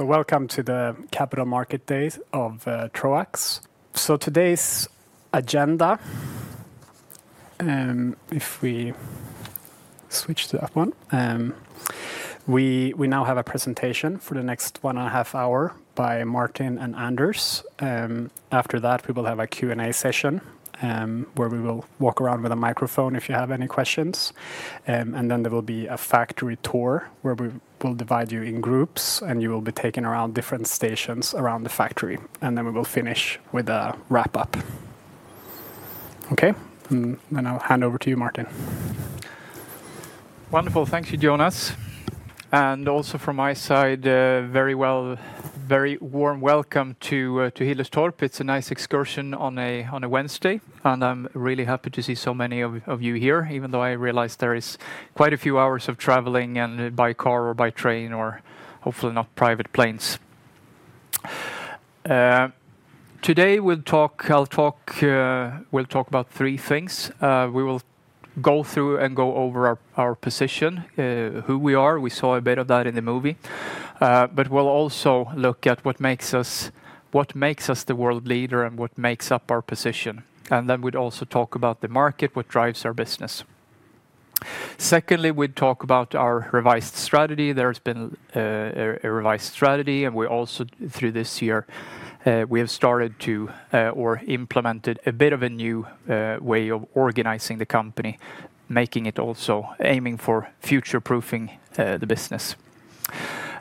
Welcome to the Capital Market Day of Troax. Today's agenda, if we switch to that one, we now have a presentation for the next one and a half hour by Martin and Anders. After that, we will have a Q&A session where we will walk around with a microphone if you have any questions. There will be a factory tour where we will divide you in groups, and you will be taken around different stations around the factory. We will finish with a wrap-up. Okay, then I'll hand over to you, Martin. Wonderful, thank you, Jonas. Also from my side, a very warm welcome to Hillerstorp. It is a nice excursion on a Wednesday, and I am really happy to see so many of you here, even though I realize there are quite a few hours of traveling by car or by train or, hopefully, not private planes. Today I will talk about three things. We will go through and go over our position, who we are. We saw a bit of that in the movie. We will also look at what makes us the world leader and what makes up our position. Then we would also talk about the market, what drives our business. Secondly, we would talk about our revised strategy. There's been a revised strategy, and we also, through this year, we have started to, or implemented, a bit of a new way of organizing the company, making it also aiming for future-proofing the business.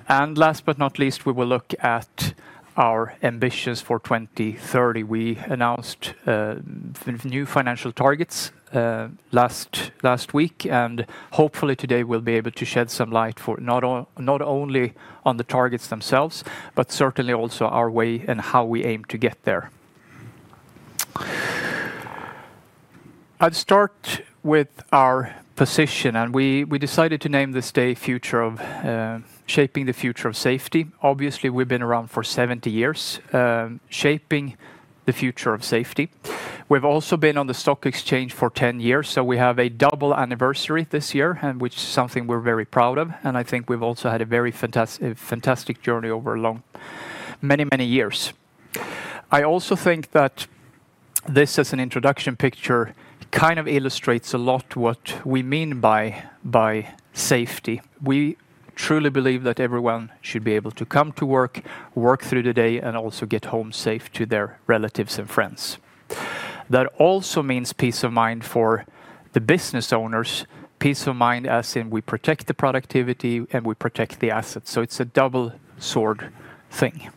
Last but not least, we will look at our ambitions for 2030. We announced new financial targets last week, and hopefully today we'll be able to shed some light not only on the targets themselves, but certainly also our way and how we aim to get there. I'd start with our position, and we decided to name this day "Shaping the Future of Safety." Obviously, we've been around for 70 years, shaping the future of safety. We've also been on the stock exchange for 10 years, so we have a double anniversary this year, which is something we're very proud of. I think we've also had a very fantastic journey over many, many years. I also think that this, as an introduction picture, kind of illustrates a lot what we mean by safety. We truly believe that everyone should be able to come to work, work through the day, and also get home safe to their relatives and friends. That also means peace of mind for the business owners, peace of mind as in we protect the productivity and we protect the assets. It is a double-sword thing.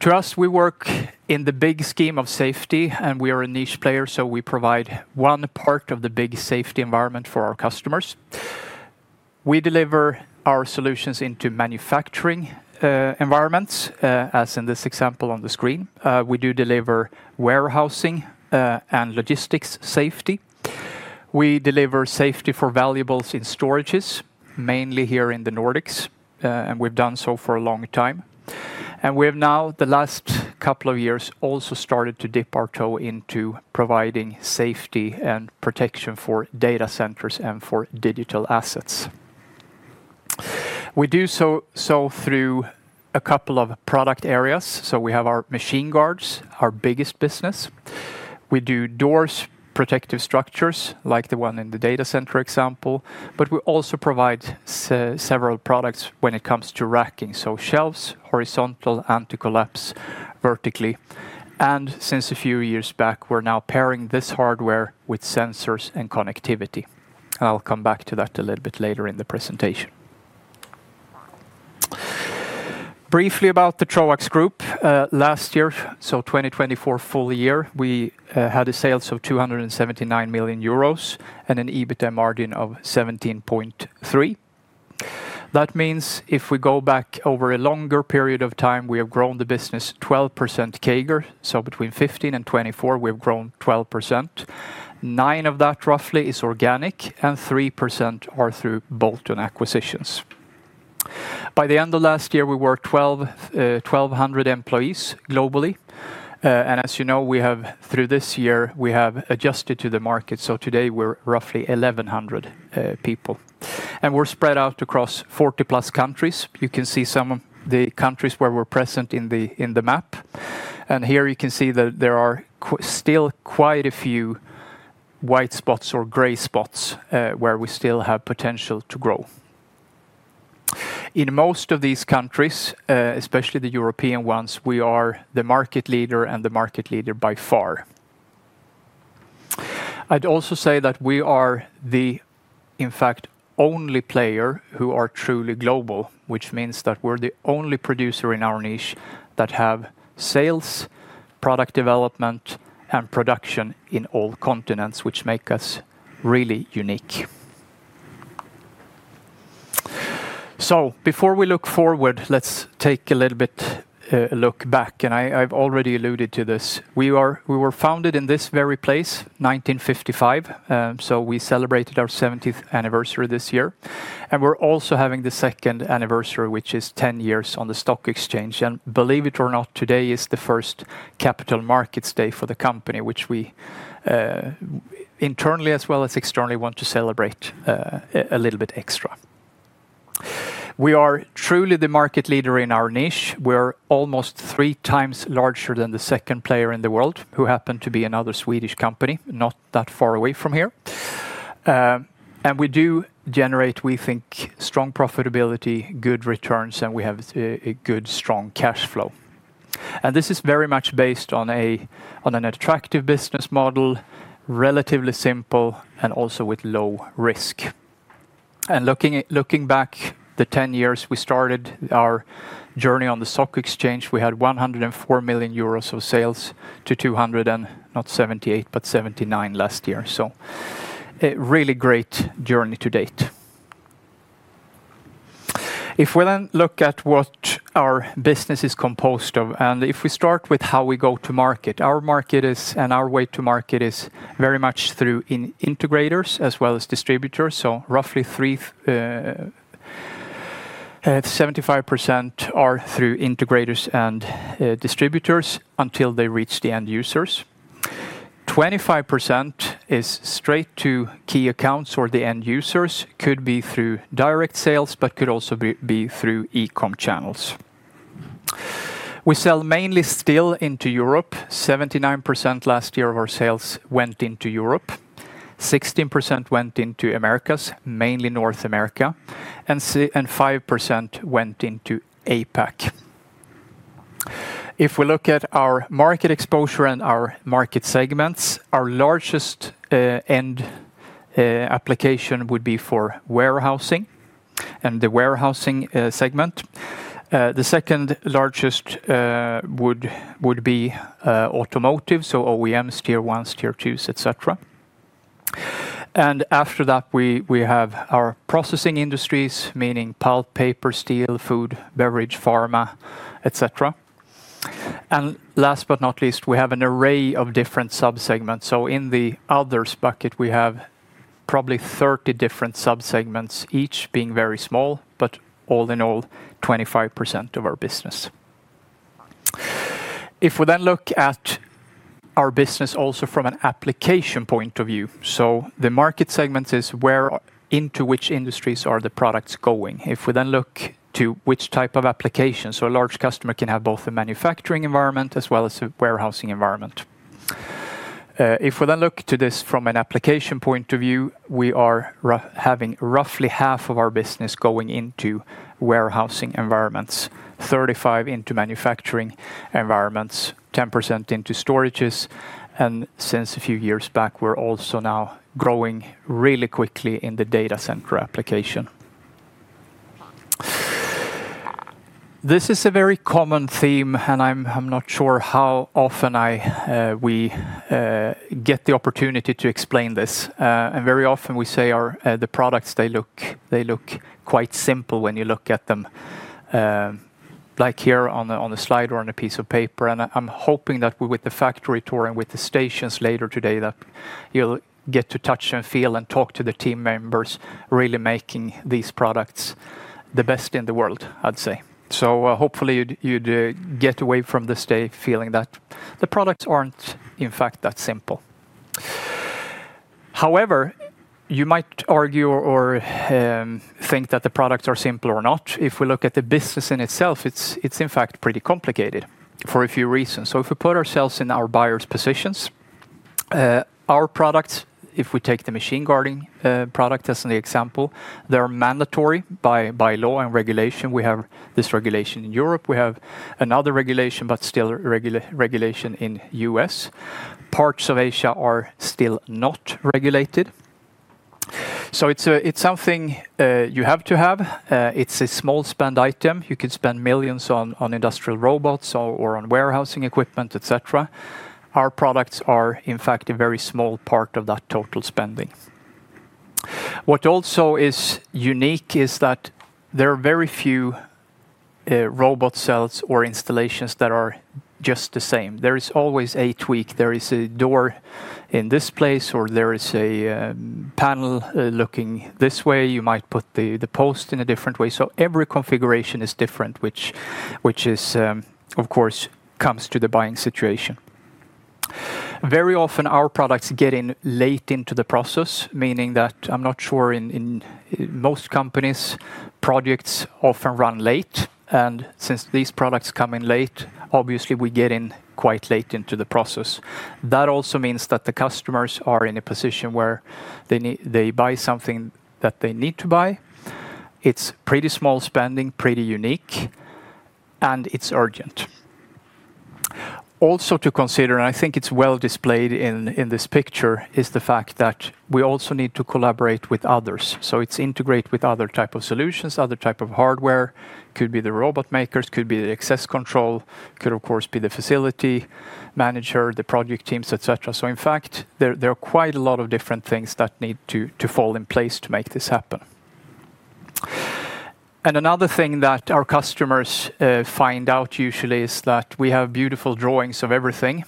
To us, we work in the big scheme of safety, and we are a niche player, so we provide one part of the big safety environment for our customers. We deliver our solutions into manufacturing environments, as in this example on the screen. We do deliver warehousing and logistics safety. We deliver safety for valuables in storages, mainly here in the Nordics, and we have done so for a long time. We have now, the last couple of years, also started to dip our toe into providing safety and protection for data centers and for digital assets. We do so through a couple of product areas. We have our machine guards, our biggest business. We do doors, protective structures, like the one in the data center example. We also provide several products when it comes to racking, so shelves, horizontal, and to collapse vertically. Since a few years back, we are now pairing this hardware with sensors and connectivity. I will come back to that a little bit later in the presentation. Briefly about the Troax Group, last year, so 2024 full year, we had sales of 279 million euros and an EBITDA margin of 17.3%. That means if we go back over a longer period of time, we have grown the business 12% CAGR, so between 2015 and 2024, we have grown 12%. Nine of that roughly is organic, and 3% are through bolt-on acquisitions. By the end of last year, we were 1,200 employees globally. As you know, through this year, we have adjusted to the market, so today we're roughly 1,100 people. We're spread out across 40-plus countries. You can see some of the countries where we're present in the map. Here you can see that there are still quite a few white spots or gray spots where we still have potential to grow. In most of these countries, especially the European ones, we are the market leader and the market leader by far. I'd also say that we are the, in fact, only player who are truly global, which means that we're the only producer in our niche that have sales, product development, and production in all continents, which make us really unique. Before we look forward, let's take a little bit of a look back. I've already alluded to this. We were founded in this very place, 1955, so we celebrated our 70th anniversary this year. We're also having the second anniversary, which is 10 years on the stock exchange. Believe it or not, today is the first Capital Markets Day for the company, which we internally, as well as externally, want to celebrate a little bit extra. We are truly the market leader in our niche. We're almost three times larger than the second player in the world, who happened to be another Swedish company, not that far away from here. We do generate, we think, strong profitability, good returns, and we have a good, strong cash flow. This is very much based on an attractive business model, relatively simple, and also with low risk. Looking back the 10 years we started our journey on the stock exchange, we had 104 million euros of sales to 278 million, but 279 million last year. A really great journey to date. If we then look at what our business is composed of, and if we start with how we go to market, our market is, and our way to market is very much through integrators as well as distributors. Roughly 75% are through integrators and distributors until they reach the end users. 25% is straight to key accounts or the end users, could be through direct sales, but could also be through e-com channels. We sell mainly still into Europe. 79% last year of our sales went into Europe. 16% went into Americas, mainly North America, and 5% went into APAC. If we look at our market exposure and our market segments, our largest end application would be for warehousing and the warehousing segment. The second largest would be automotive, so OEMs, tier ones, tier twos, etc. After that, we have our processing industries, meaning pulp, paper, steel, food, beverage, pharma, etc. Last but not least, we have an array of different subsegments. In the others bucket, we have probably 30 different subsegments, each being very small, but all in all, 25% of our business. If we then look at our business also from an application point of view, the market segments is into which industries are the products going. If we then look to which type of application, a large customer can have both a manufacturing environment as well as a warehousing environment. If we then look to this from an application point of view, we are having roughly half of our business going into warehousing environments, 35% into manufacturing environments, 10% into storages. Since a few years back, we're also now growing really quickly in the data center application. This is a very common theme, and I'm not sure how often we get the opportunity to explain this. Very often we say the products, they look quite simple when you look at them, like here on the slide or on a piece of paper. I am hoping that with the factory tour and with the stations later today, you will get to touch and feel and talk to the team members really making these products the best in the world, I would say. Hopefully you get away from this day feeling that the products are not, in fact, that simple. However, you might argue or think that the products are simple or not. If we look at the business in itself, it is in fact pretty complicated for a few reasons. If we put ourselves in our buyer's positions, our products, if we take the machine guarding product as an example, they are mandatory by law and regulation. We have this regulation in Europe. We have another regulation, but still regulation in the U.S. Parts of Asia are still not regulated. It is something you have to have. It is a small spend item. You could spend millions on industrial robots or on warehousing equipment, etc. Our products are, in fact, a very small part of that total spending. What also is unique is that there are very few robot cells or installations that are just the same. There is always a tweak. There is a door in this place, or there is a panel looking this way. You might put the post in a different way. Every configuration is different, which is, of course, comes to the buying situation. Very often, our products get in late into the process, meaning that I'm not sure in most companies, projects often run late. Since these products come in late, obviously we get in quite late into the process. That also means that the customers are in a position where they buy something that they need to buy. It's pretty small spending, pretty unique, and it's urgent. Also to consider, and I think it's well displayed in this picture, is the fact that we also need to collaborate with others. It's integrate with other types of solutions, other types of hardware. It could be the robot makers, could be the access control, could of course be the facility manager, the project teams, etc. In fact, there are quite a lot of different things that need to fall in place to make this happen. Another thing that our customers find out usually is that we have beautiful drawings of everything.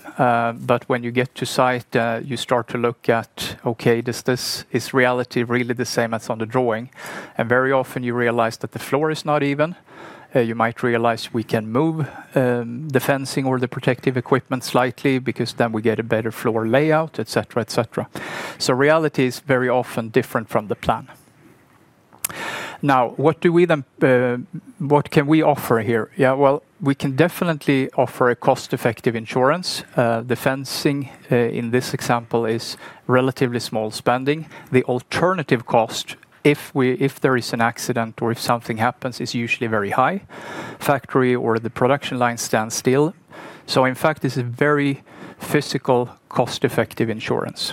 When you get to site, you start to look at, okay, is reality really the same as on the drawing? Very often you realize that the floor is not even. You might realize we can move the fencing or the protective equipment slightly because then we get a better floor layout, etc., etc. Reality is very often different from the plan. Now, what can we offer here? Yeah, we can definitely offer a cost-effective insurance. The fencing in this example is relatively small spending. The alternative cost, if there is an accident or if something happens, is usually very high. Factory or the production line stands still. In fact, this is very physical cost-effective insurance.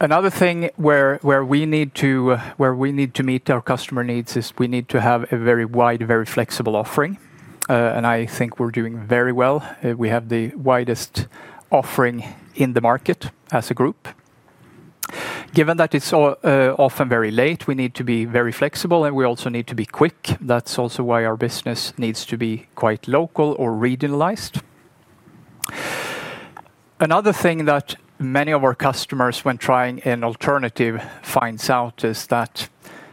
Another thing where we need to meet our customer needs is we need to have a very wide, very flexible offering. I think we're doing very well. We have the widest offering in the market as a group. Given that it's often very late, we need to be very flexible, and we also need to be quick. That's also why our business needs to be quite local or regionalized. Another thing that many of our customers, when trying an alternative, finds out is that,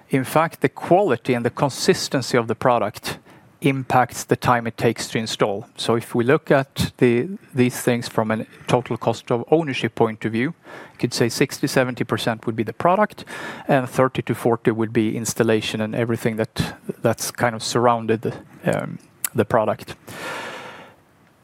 in fact, the quality and the consistency of the product impacts the time it takes to install. If we look at these things from a total cost of ownership point of view, you could say 60%-70% would be the product, and 30%-40% would be installation and everything that's kind of surrounded the product.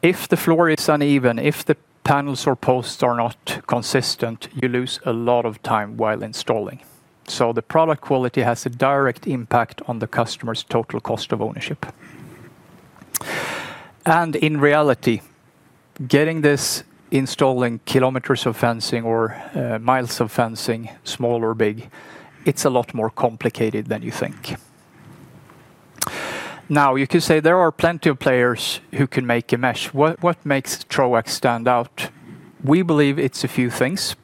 If the floor is uneven, if the panels or posts are not consistent, you lose a lot of time while installing. The product quality has a direct impact on the customer's total cost of ownership. In reality, getting this installing kilometers of fencing or miles of fencing, small or big, it's a lot more complicated than you think. Now, you could say there are plenty of players who can make a mesh. What makes Troax stand out? We believe it's a few things.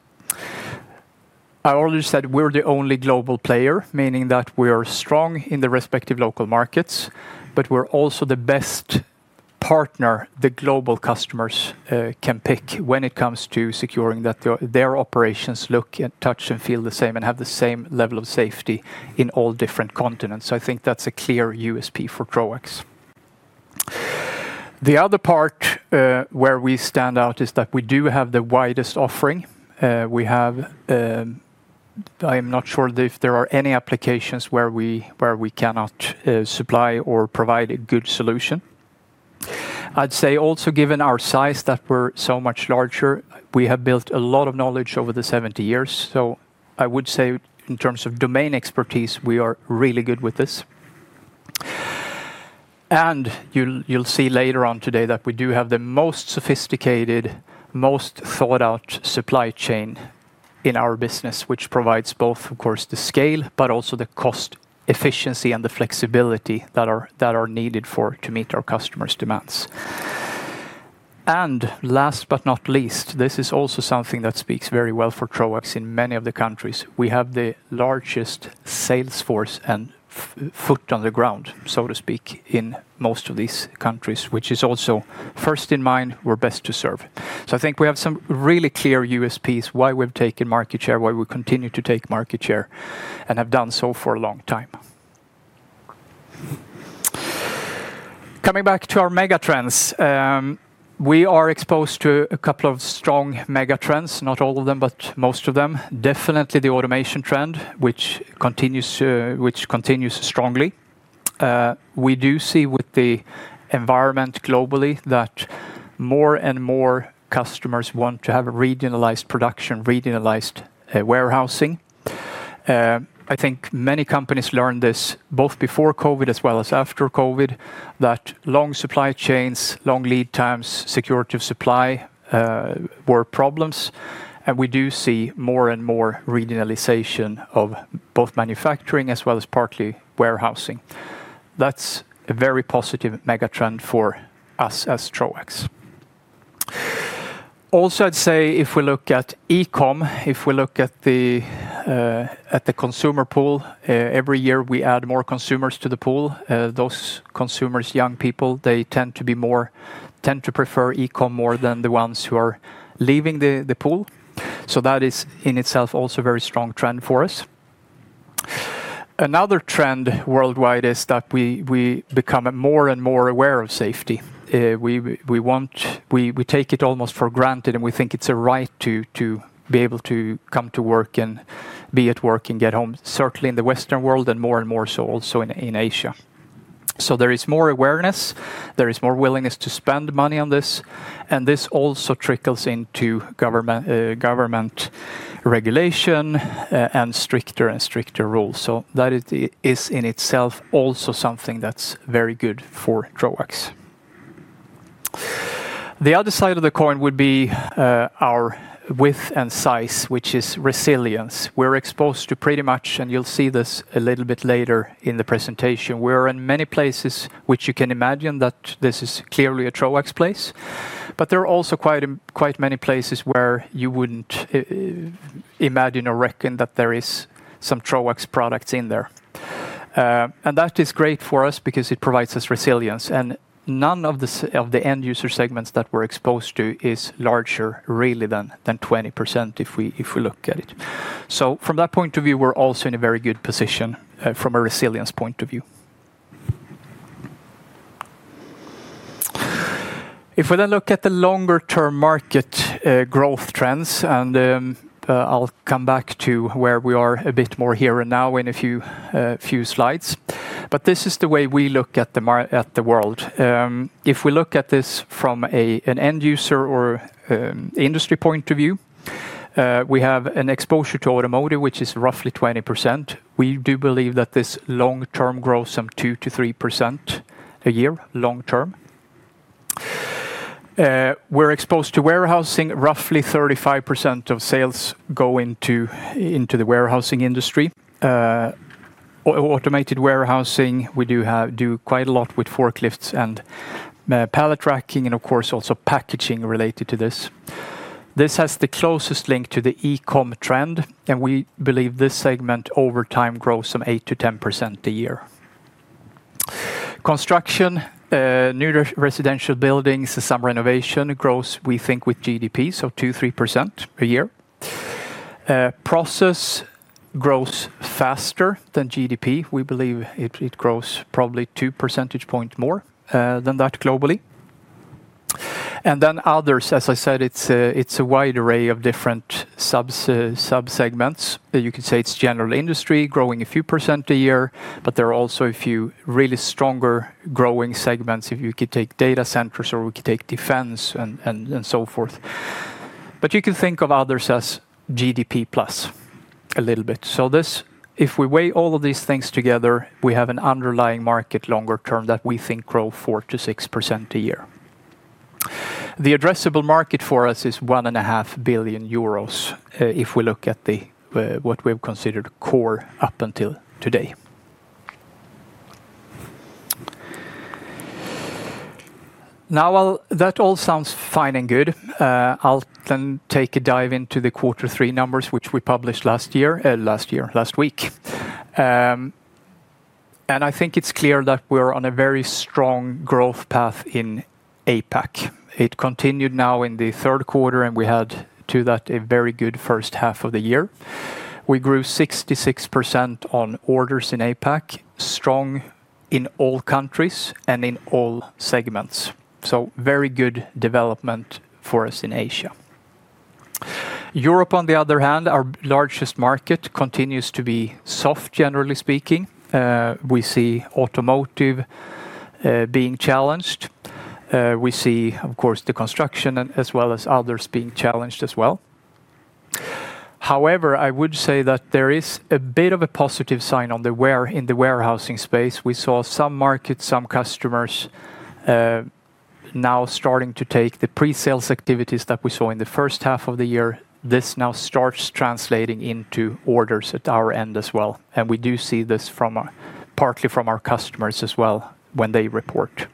I already said we're the only global player, meaning that we are strong in the respective local markets, but we're also the best partner the global customers can pick when it comes to securing that their operations look and touch and feel the same and have the same level of safety in all different continents. I think that's a clear USP for Troax. The other part where we stand out is that we do have the widest offering. I am not sure if there are any applications where we cannot supply or provide a good solution. I'd say also given our size, that we're so much larger, we have built a lot of knowledge over the 70 years. I would say in terms of domain expertise, we are really good with this. You'll see later on today that we do have the most sophisticated, most thought-out supply chain in our business, which provides both, of course, the scale, but also the cost efficiency and the flexibility that are needed to meet our customers' demands. Last but not least, this is also something that speaks very well for Troax in many of the countries. We have the largest sales force and foot on the ground, so to speak, in most of these countries, which is also first in mind, we're best to serve. I think we have some really clear USPs, why we've taken market share, why we continue to take market share, and have done so for a long time. Coming back to our megatrends, we are exposed to a couple of strong megatrends, not all of them, but most of them. Definitely the automation trend, which continues strongly. We do see with the environment globally that more and more customers want to have regionalized production, regionalized warehousing. I think many companies learned this both before COVID as well as after COVID, that long supply chains, long lead times, security of supply were problems. We do see more and more regionalization of both manufacturing as well as partly warehousing. That is a very positive megatrend for us as Troax. Also, I'd say if we look at e-com, if we look at the consumer pool, every year we add more consumers to the pool. Those consumers, young people, they tend to prefer e-com more than the ones who are leaving the pool. That is in itself also a very strong trend for us. Another trend worldwide is that we become more and more aware of safety. We take it almost for granted, and we think it's a right to be able to come to work and be at work and get home, certainly in the Western world and more and more so also in Asia. There is more awareness, there is more willingness to spend money on this, and this also trickles into government regulation and stricter and stricter rules. That is in itself also something that's very good for Troax. The other side of the coin would be our width and size, which is resilience. We're exposed to pretty much, and you'll see this a little bit later in the presentation. We are in many places which you can imagine that this is clearly a Troax place, but there are also quite many places where you would not imagine or reckon that there are some Troax products in there. That is great for us because it provides us resilience. None of the end user segments that we are exposed to is larger really than 20% if we look at it. From that point of view, we are also in a very good position from a resilience point of view. If we then look at the longer-term market growth trends, and I will come back to where we are a bit more here and now in a few slides, but this is the way we look at the world. If we look at this from an end user or industry point of view, we have an exposure to automotive, which is roughly 20%. We do believe that this long-term growth is some 2%-3% a year, long-term. We're exposed to warehousing. Roughly 35% of sales go into the warehousing industry. Automated warehousing, we do quite a lot with forklifts and pallet tracking and, of course, also packaging related to this. This has the closest link to the e-com trend, and we believe this segment over time grows some 8%-10% a year. Construction, new residential buildings, some renovation grows, we think, with GDP, so 2%-3% a year. Process grows faster than GDP. We believe it grows probably two percentage points more than that globally. Others, as I said, it's a wide array of different subsegments. You could say it's general industry growing a few percent a year, but there are also a few really stronger growing segments if you could take data centers or we could take defense and so forth. You can think of others as GDP plus a little bit. If we weigh all of these things together, we have an underlying market longer term that we think grows 4%-6% a year. The addressable market for us is 1.5 billion euros if we look at what we've considered core up until today. That all sounds fine and good, I'll then take a dive into the quarter three numbers, which we published last week. I think it's clear that we're on a very strong growth path in APAC. It continued now in the third quarter, and we had to that a very good first half of the year. We grew 66% on orders in APAC, strong in all countries and in all segments. Very good development for us in Asia. Europe, on the other hand, our largest market, continues to be soft, generally speaking. We see automotive being challenged. We see, of course, the construction as well as others being challenged as well. However, I would say that there is a bit of a positive sign in the warehousing space. We saw some markets, some customers now starting to take the pre-sales activities that we saw in the first half of the year. This now starts translating into orders at our end as well. We do see this partly from our customers as well when they report.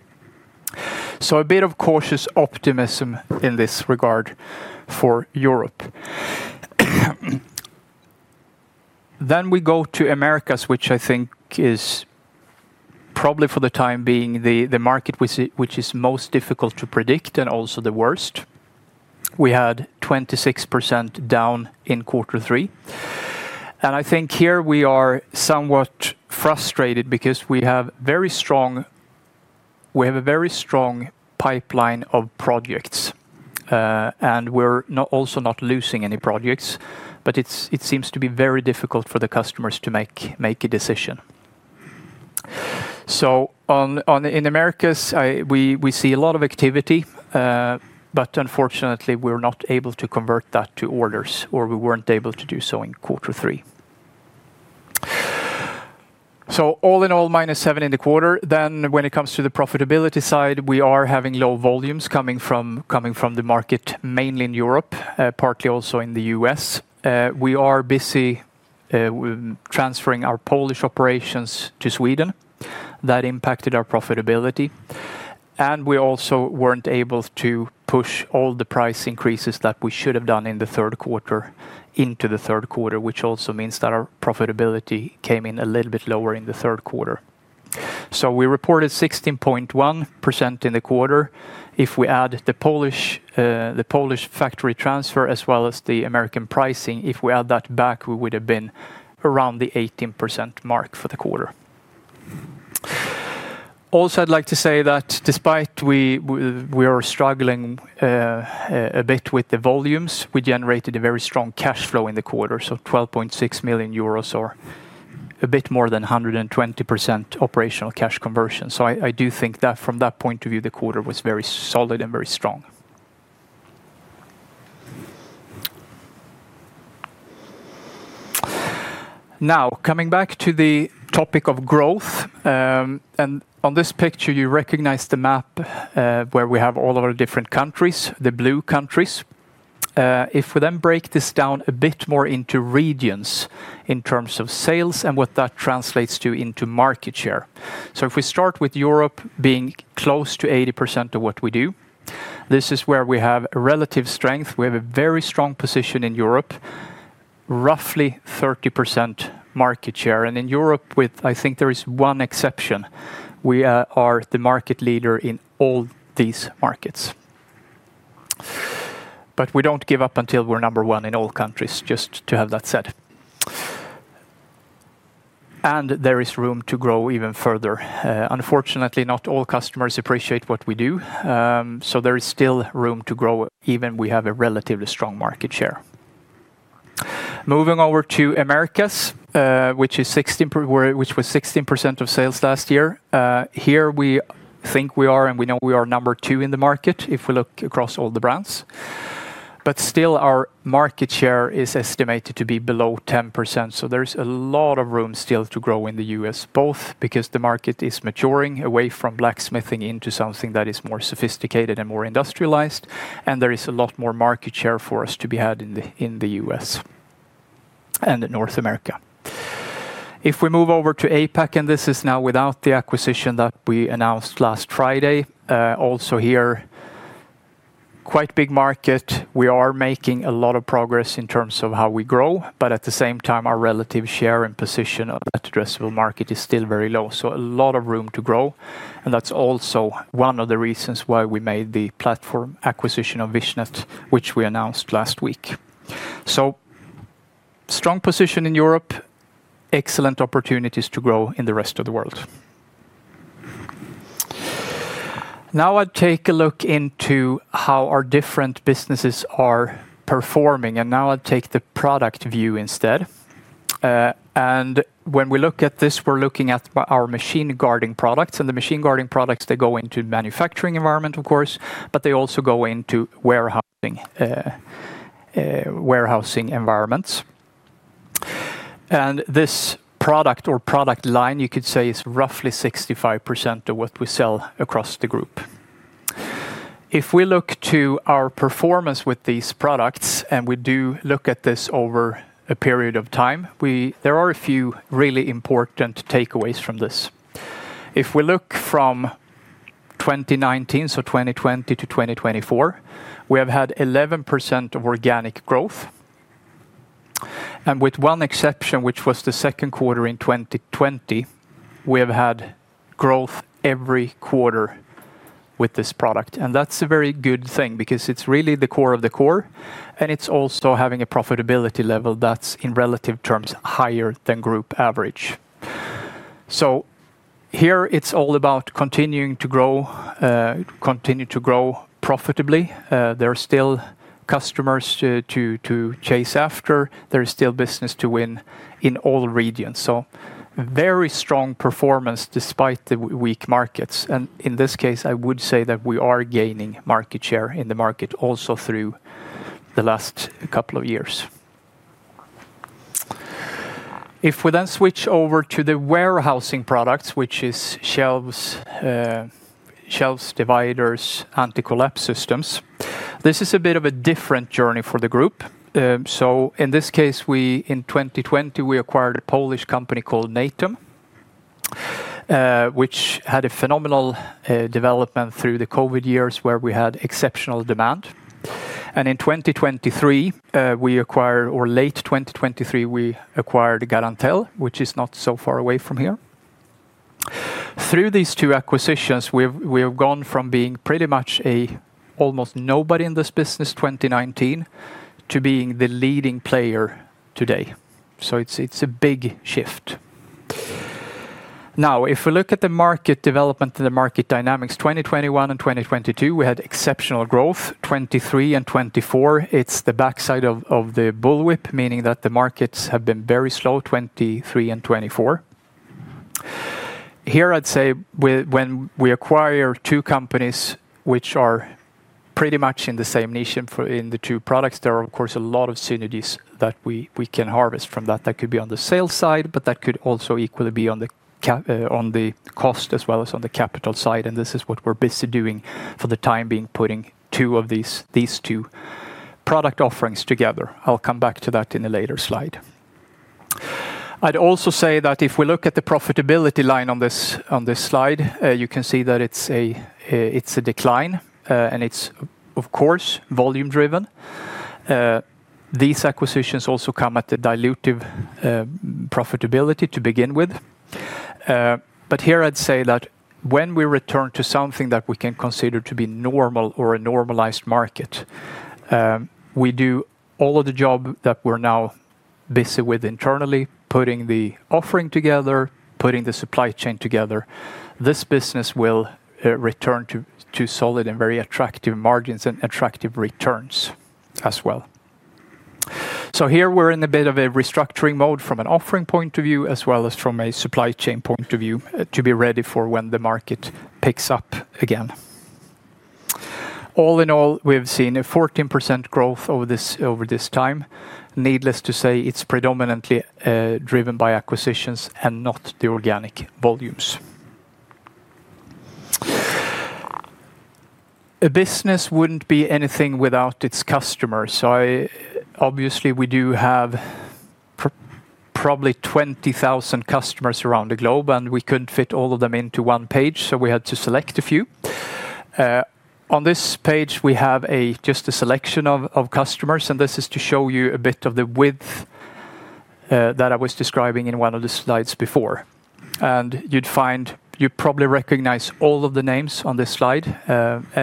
A bit of cautious optimism in this regard for Europe. We go to Americas, which I think is probably for the time being the market which is most difficult to predict and also the worst. We had 26% down in quarter three. I think here we are somewhat frustrated because we have a very strong pipeline of projects. We're also not losing any projects, but it seems to be very difficult for the customers to make a decision. In Americas, we see a lot of activity, but unfortunately, we're not able to convert that to orders or we were not able to do so in quarter three. All in all, minus seven in the quarter. When it comes to the profitability side, we are having low volumes coming from the market mainly in Europe, partly also in the U.S. We are busy transferring our Polish operations to Sweden. That impacted our profitability. We also were not able to push all the price increases that we should have done in the third quarter into the third quarter, which also means that our profitability came in a little bit lower in the third quarter. We reported 16.1% in the quarter. If we add the Polish factory transfer as well as the American pricing, if we add that back, we would have been around the 18% mark for the quarter. Also, I'd like to say that despite we are struggling a bit with the volumes, we generated a very strong cash flow in the quarter, 12.6 million euros or a bit more than 120% operational cash conversion. I do think that from that point of view, the quarter was very solid and very strong. Now, coming back to the topic of growth, and on this picture, you recognize the map where we have all of our different countries, the blue countries. If we then break this down a bit more into regions in terms of sales and what that translates to into market share. If we start with Europe being close to 80% of what we do, this is where we have relative strength. We have a very strong position in Europe, roughly 30% market share. In Europe, I think there is one exception. We are the market leader in all these markets. We do not give up until we are number one in all countries, just to have that said. There is room to grow even further. Unfortunately, not all customers appreciate what we do. There is still room to grow even if we have a relatively strong market share. Moving over to Americas, which was 16% of sales last year. Here we think we are, and we know we are number two in the market if we look across all the brands. Still, our market share is estimated to be below 10%. There is a lot of room still to grow in the U.S., both because the market is maturing away from blacksmithing into something that is more sophisticated and more industrialized, and there is a lot more market share for us to be had in the U.S. and in North America. If we move over to APAC, and this is now without the acquisition that we announced last Friday, also here, quite big market. We are making a lot of progress in terms of how we grow, but at the same time, our relative share and position on that addressable market is still very low. A lot of room to grow. That is also one of the reasons why we made the platform acquisition of Vichnet, which we announced last week. Strong position in Europe, excellent opportunities to grow in the rest of the world. Now I take a look into how our different businesses are performing. Now I take the product view instead. When we look at this, we are looking at our machine guarding products. The machine guarding products go into manufacturing environments, of course, but they also go into warehousing environments. This product or product line, you could say, is roughly 65% of what we sell across the group. If we look to our performance with these products, and we do look at this over a period of time, there are a few really important takeaways from this. If we look from 2019, so 2020 to 2024, we have had 11% of organic growth. With one exception, which was the second quarter in 2020, we have had growth every quarter with this product. That is a very good thing because it is really the core of the core, and it is also having a profitability level that is in relative terms higher than group average. Here, it is all about continuing to grow profitably. There are still customers to chase after. There is still business to win in all regions. Very strong performance despite the weak markets. In this case, I would say that we are gaining market share in the market also through the last couple of years. If we then switch over to the warehousing products, which is shelves, dividers, anti-collapse systems, this is a bit of a different journey for the group. In this case, in 2020, we acquired a Polish company called Natom, which had a phenomenal development through the COVID years where we had exceptional demand. In 2023, or late 2023, we acquired Garantell, which is not so far away from here. Through these two acquisitions, we have gone from being pretty much almost nobody in this business in 2019 to being the leading player today. It is a big shift. Now, if we look at the market development and the market dynamics, 2021 and 2022, we had exceptional growth. 2023 and 2024, it is the backside of the bullwhip, meaning that the markets have been very slow, 2023 and 2024. Here, I would say when we acquire two companies which are pretty much in the same niche in the two products, there are, of course, a lot of synergies that we can harvest from that. That could be on the sales side, but that could also equally be on the cost as well as on the capital side. This is what we're busy doing for the time being, putting these two product offerings together. I'll come back to that in a later slide. I'd also say that if we look at the profitability line on this slide, you can see that it's a decline, and it's, of course, volume-driven. These acquisitions also come at a dilutive profitability to begin with. Here, I'd say that when we return to something that we can consider to be normal or a normalized market, we do all of the job that we're now busy with internally, putting the offering together, putting the supply chain together. This business will return to solid and very attractive margins and attractive returns as well. Here, we're in a bit of a restructuring mode from an offering point of view as well as from a supply chain point of view to be ready for when the market picks up again. All in all, we've seen a 14% growth over this time. Needless to say, it's predominantly driven by acquisitions and not the organic volumes. A business wouldn't be anything without its customers. Obviously, we do have probably 20,000 customers around the globe, and we couldn't fit all of them into one page, so we had to select a few. On this page, we have just a selection of customers, and this is to show you a bit of the width that I was describing in one of the slides before. You'd find you probably recognize all of the names on this slide.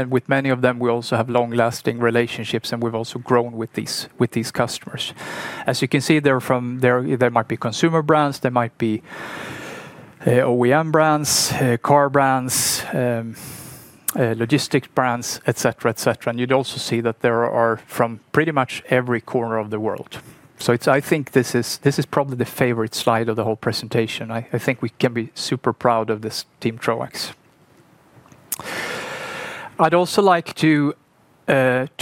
With many of them, we also have long-lasting relationships, and we have also grown with these customers. As you can see, there might be consumer brands, there might be OEM brands, car brands, logistics brands, etc., etc. You also see that they are from pretty much every corner of the world. I think this is probably the favorite slide of the whole presentation. I think we can be super proud of this team Troax. I would also like to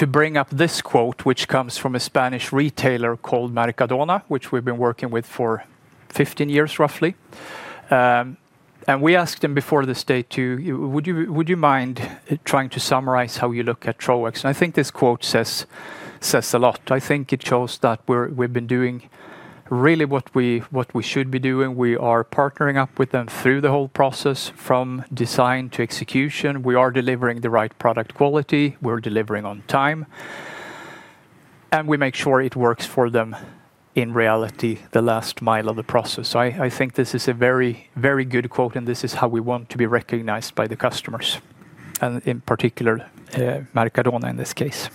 bring up this quote, which comes from a Spanish retailer called Mercadona, which we have been working with for 15 years, roughly. We asked them before this day, "Would you mind trying to summarize how you look at Troax?" I think this quote says a lot. I think it shows that we have been doing really what we should be doing. We are partnering up with them through the whole process, from design to execution. We are delivering the right product quality. We're delivering on time. We make sure it works for them in reality, the last mile of the process. I think this is a very good quote, and this is how we want to be recognized by the customers, and in particular, Maricadona in this case.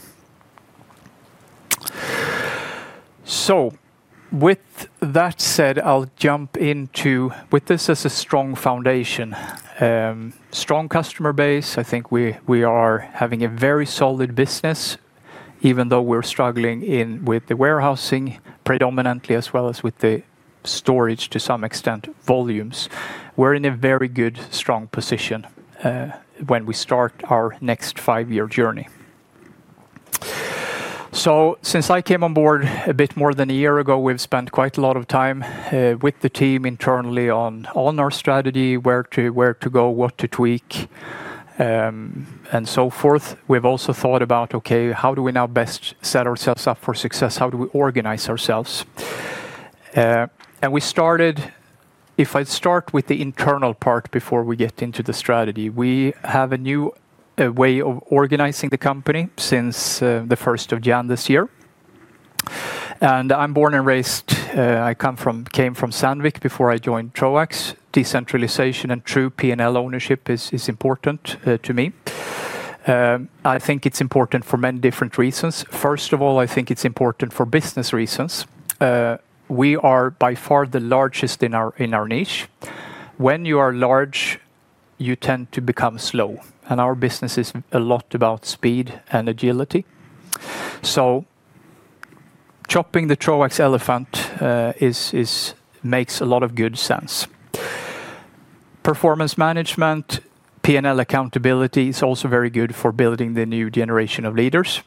With that said, I'll jump into this as a strong foundation. Strong customer base. I think we are having a very solid business, even though we're struggling with the warehousing predominantly, as well as with the storage, to some extent, volumes. We're in a very good, strong position when we start our next five-year journey. Since I came on board a bit more than a year ago, we've spent quite a lot of time with the team internally on our strategy, where to go, what to tweak, and so forth. We've also thought about, "Okay, how do we now best set ourselves up for success? How do we organize ourselves?" If I start with the internal part before we get into the strategy, we have a new way of organizing the company since the 1st of January this year. I'm born and raised. I came from Sandvik before I joined Troax. Decentralization and true P&L ownership is important to me. I think it's important for many different reasons. First of all, I think it's important for business reasons. We are by far the largest in our niche. When you are large, you tend to become slow. Our business is a lot about speed and agility. Chopping the Troax elephant makes a lot of good sense. Performance management, P&L accountability is also very good for building the new generation of leaders.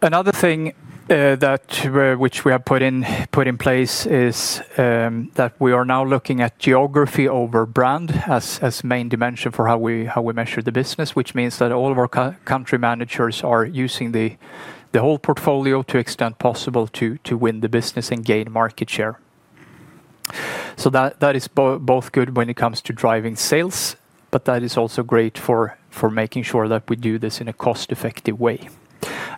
Another thing which we have put in place is that we are now looking at geography over brand as the main dimension for how we measure the business, which means that all of our country managers are using the whole portfolio to the extent possible to win the business and gain market share. That is both good when it comes to driving sales, but that is also great for making sure that we do this in a cost-effective way.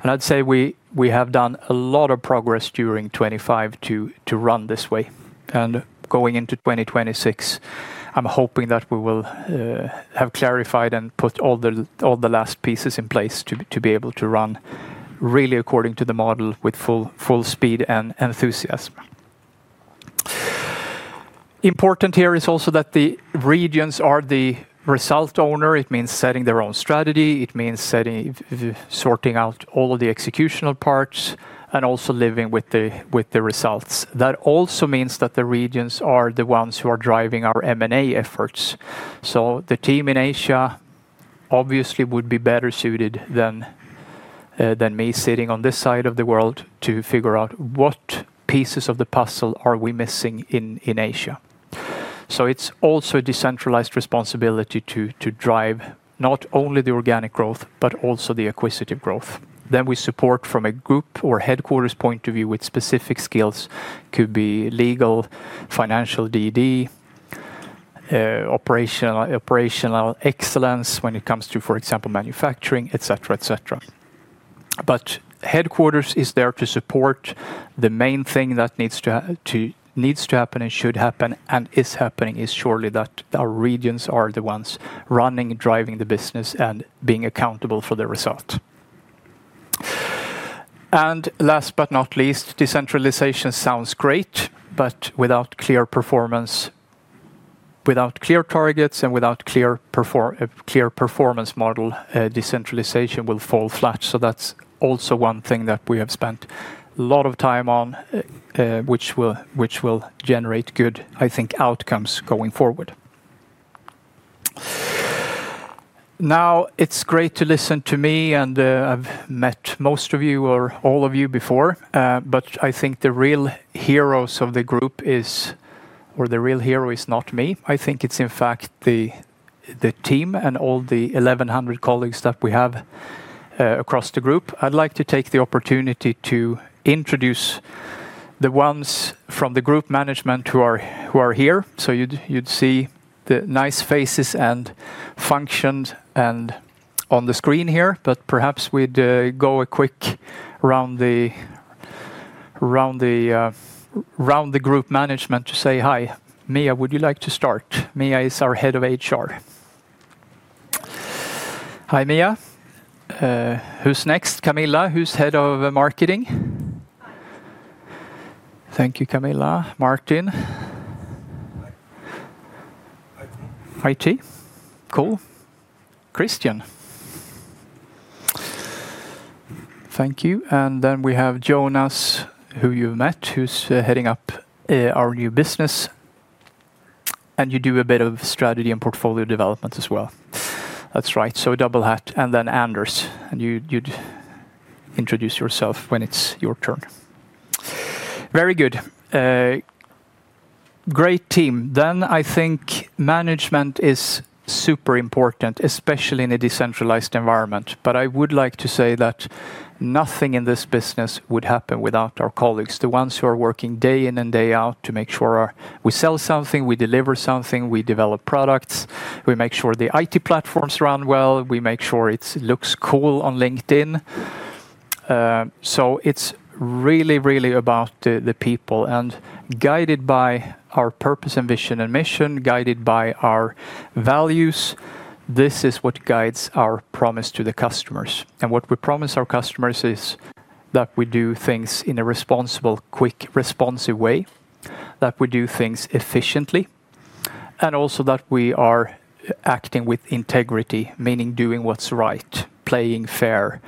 I'd say we have done a lot of progress during 2025 to run this way. Going into 2026, I'm hoping that we will have clarified and put all the last pieces in place to be able to run really according to the model with full speed and enthusiasm. Important here is also that the regions are the result owner. It means setting their own strategy. It means sorting out all of the executional parts and also living with the results. That also means that the regions are the ones who are driving our M&A efforts. The team in Asia obviously would be better suited than me sitting on this side of the world to figure out what pieces of the puzzle are we missing in Asia. It is also a decentralized responsibility to drive not only the organic growth, but also the acquisitive growth. We support from a group or headquarters point of view with specific skills. It could be legal, financial, DD, operational excellence when it comes to, for example, manufacturing, etc., etc. Headquarters is there to support. The main thing that needs to happen and should happen and is happening is surely that our regions are the ones running, driving the business, and being accountable for the result. Last but not least, decentralization sounds great, but without clear performance, without clear targets, and without a clear performance model, decentralization will fall flat. That is also one thing that we have spent a lot of time on, which will generate good, I think, outcomes going forward. Now, it is great to listen to me, and I have met most of you or all of you before, but I think the real heroes of the group, or the real hero is not me. I think it's, in fact, the team and all the 1,100 colleagues that we have across the group. I'd like to take the opportunity to introduce the ones from the group management who are here. You'd see the nice faces and functions on the screen here, but perhaps we'd go a quick round the group management to say, "Hi, Mia, would you like to start?" Mia is our Head of HR. Hi, Mia. Who's next? Camilla, who's Head of Marketing? Thank you, Camilla. Martin? IT. IT? Cool. Christian? Thank you. We have Jonas, who you've met, who's heading up our new business. You do a bit of strategy and portfolio development as well. That's right. Double hat. Anders. You'd introduce yourself when it's your turn. Very good. Great team. I think management is super important, especially in a decentralized environment. I would like to say that nothing in this business would happen without our colleagues, the ones who are working day in and day out to make sure we sell something, we deliver something, we develop products, we make sure the IT platforms run well, we make sure it looks cool on LinkedIn. It is really, really about the people. Guided by our purpose and vision and mission, guided by our values, this is what guides our promise to the customers. What we promise our customers is that we do things in a responsible, quick, responsive way, that we do things efficiently, and also that we are acting with integrity, meaning doing what is right, playing fair,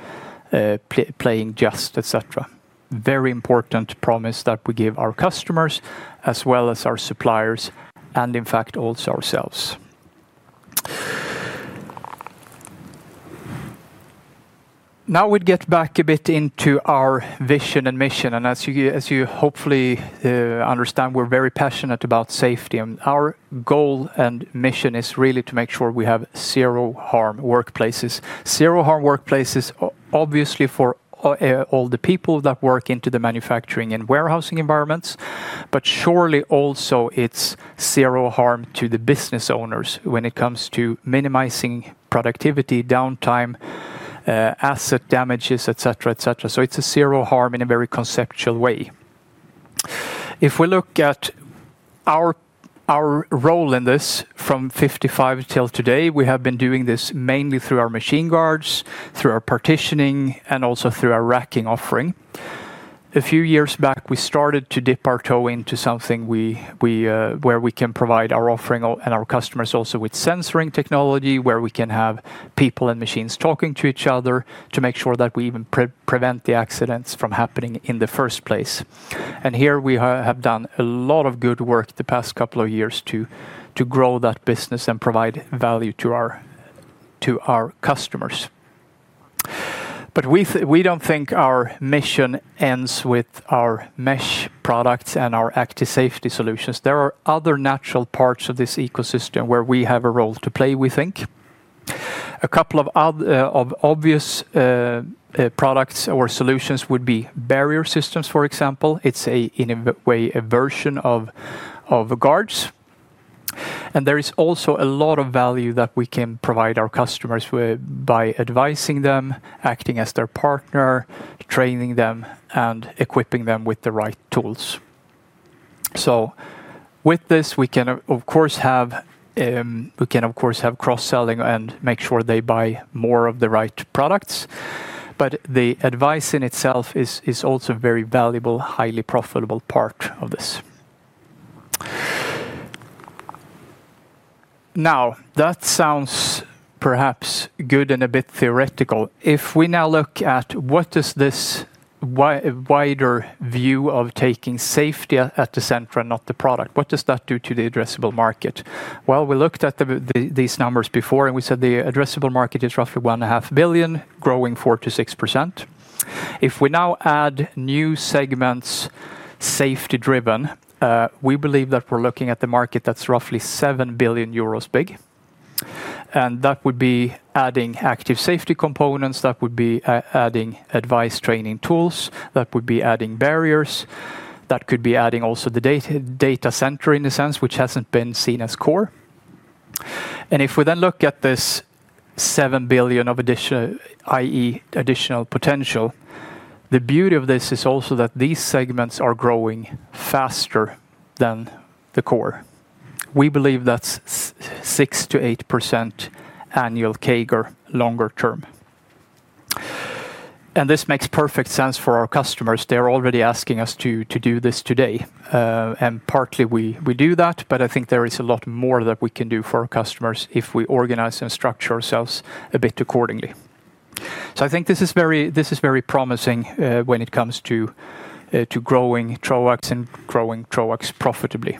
playing just, etc. Very important promise that we give our customers as well as our suppliers and, in fact, also ourselves. Now we get back a bit into our vision and mission. As you hopefully understand, we're very passionate about safety. Our goal and mission is really to make sure we have zero-harm workplaces. Zero-harm workplaces, obviously, for all the people that work in the manufacturing and warehousing environments, but surely also it's zero-harm to the business owners when it comes to minimizing productivity, downtime, asset damages, etc., etc. It's a zero-harm in a very conceptual way. If we look at our role in this from 1955 till today, we have been doing this mainly through our machine guards, through our partitioning, and also through our racking offering. A few years back, we started to dip our toe into something where we can provide our offering and our customers also with sensoring technology, where we can have people and machines talking to each other to make sure that we even prevent the accidents from happening in the first place. Here we have done a lot of good work the past couple of years to grow that business and provide value to our customers. We do not think our mission ends with our mesh products and our active safety solutions. There are other natural parts of this ecosystem where we have a role to play, we think. A couple of obvious products or solutions would be barrier systems, for example. It is in a way a version of guards. There is also a lot of value that we can provide our customers by advising them, acting as their partner, training them, and equipping them with the right tools. With this, we can, of course, have cross-selling and make sure they buy more of the right products. The advice in itself is also a very valuable, highly profitable part of this. That sounds perhaps good and a bit theoretical. If we now look at what this wider view of taking safety at the center and not the product does to the addressable market, we looked at these numbers before, and we said the addressable market is roughly 1.5 billion, growing 4% to 6%. If we now add new segments safety-driven, we believe that we are looking at the market that is roughly 7 billion euros big. That would be adding active safety components, that would be adding advice training tools, that would be adding barriers, that could be adding also the data center in a sense, which has not been seen as core. If we then look at this 7 billion of additional potential, the beauty of this is also that these segments are growing faster than the core. We believe that is 6-8% annual CAGR longer term. This makes perfect sense for our customers. They are already asking us to do this today. Partly we do that, but I think there is a lot more that we can do for our customers if we organize and structure ourselves a bit accordingly. I think this is very promising when it comes to growing Troax and growing Troax profitably.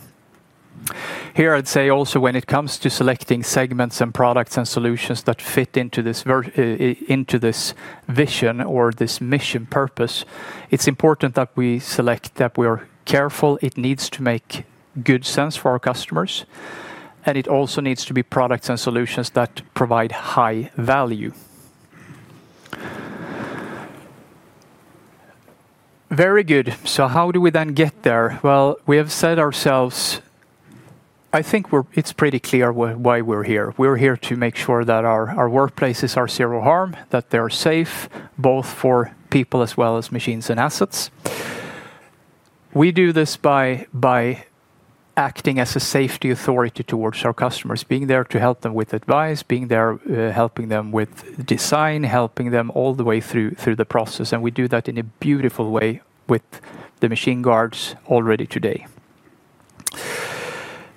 Here, I'd say also when it comes to selecting segments and products and solutions that fit into this vision or this mission purpose, it's important that we select, that we are careful. It needs to make good sense for our customers. It also needs to be products and solutions that provide high value. Very good. How do we then get there? We have said ourselves, I think it's pretty clear why we're here. We're here to make sure that our workplaces are zero-harm, that they're safe, both for people as well as machines and assets. We do this by acting as a safety authority towards our customers, being there to help them with advice, being there helping them with design, helping them all the way through the process. We do that in a beautiful way with the machine guards already today.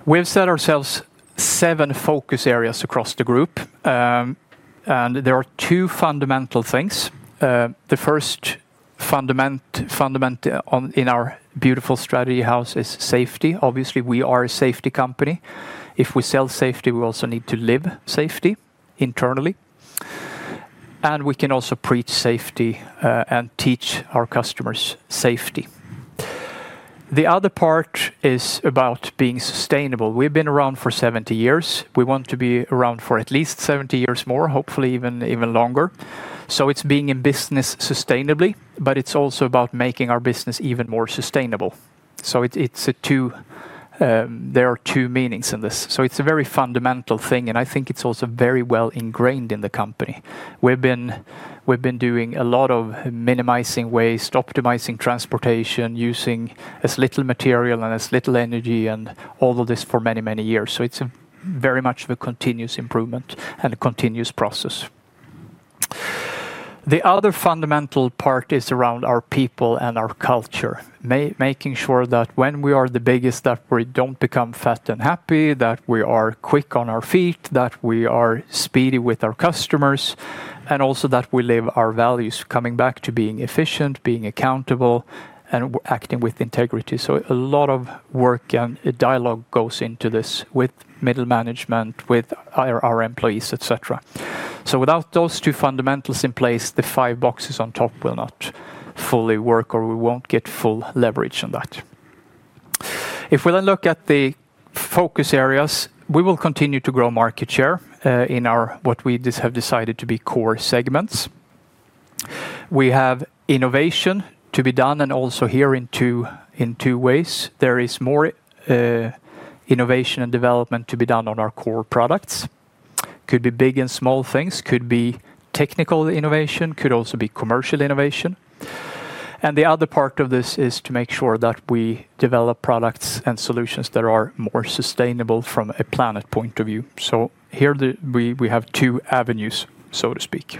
We have set ourselves seven focus areas across the group. There are two fundamental things. The first fundamental in our beautiful strategy house is safety. Obviously, we are a safety company. If we sell safety, we also need to live safety internally. We can also preach safety and teach our customers safety. The other part is about being sustainable. We've been around for 70 years. We want to be around for at least 70 years more, hopefully even longer. It is being in business sustainably, but it is also about making our business even more sustainable. There are two meanings in this. It is a very fundamental thing, and I think it is also very well ingrained in the company. We've been doing a lot of minimizing waste, optimizing transportation, using as little material and as little energy, and all of this for many, many years. It is very much a continuous improvement and a continuous process. The other fundamental part is around our people and our culture, making sure that when we are the biggest, we do not become fat and happy, that we are quick on our feet, that we are speedy with our customers, and also that we live our values, coming back to being efficient, being accountable, and acting with integrity. A lot of work and dialogue goes into this with middle management, with our employees, etc. Without those two fundamentals in place, the five boxes on top will not fully work, or we will not get full leverage on that. If we then look at the focus areas, we will continue to grow market share in what we have decided to be core segments. We have innovation to be done, and also here in two ways. There is more innovation and development to be done on our core products. It could be big and small things. It could be technical innovation. It could also be commercial innovation. The other part of this is to make sure that we develop products and solutions that are more sustainable from a planet point of view. Here we have two avenues, so to speak.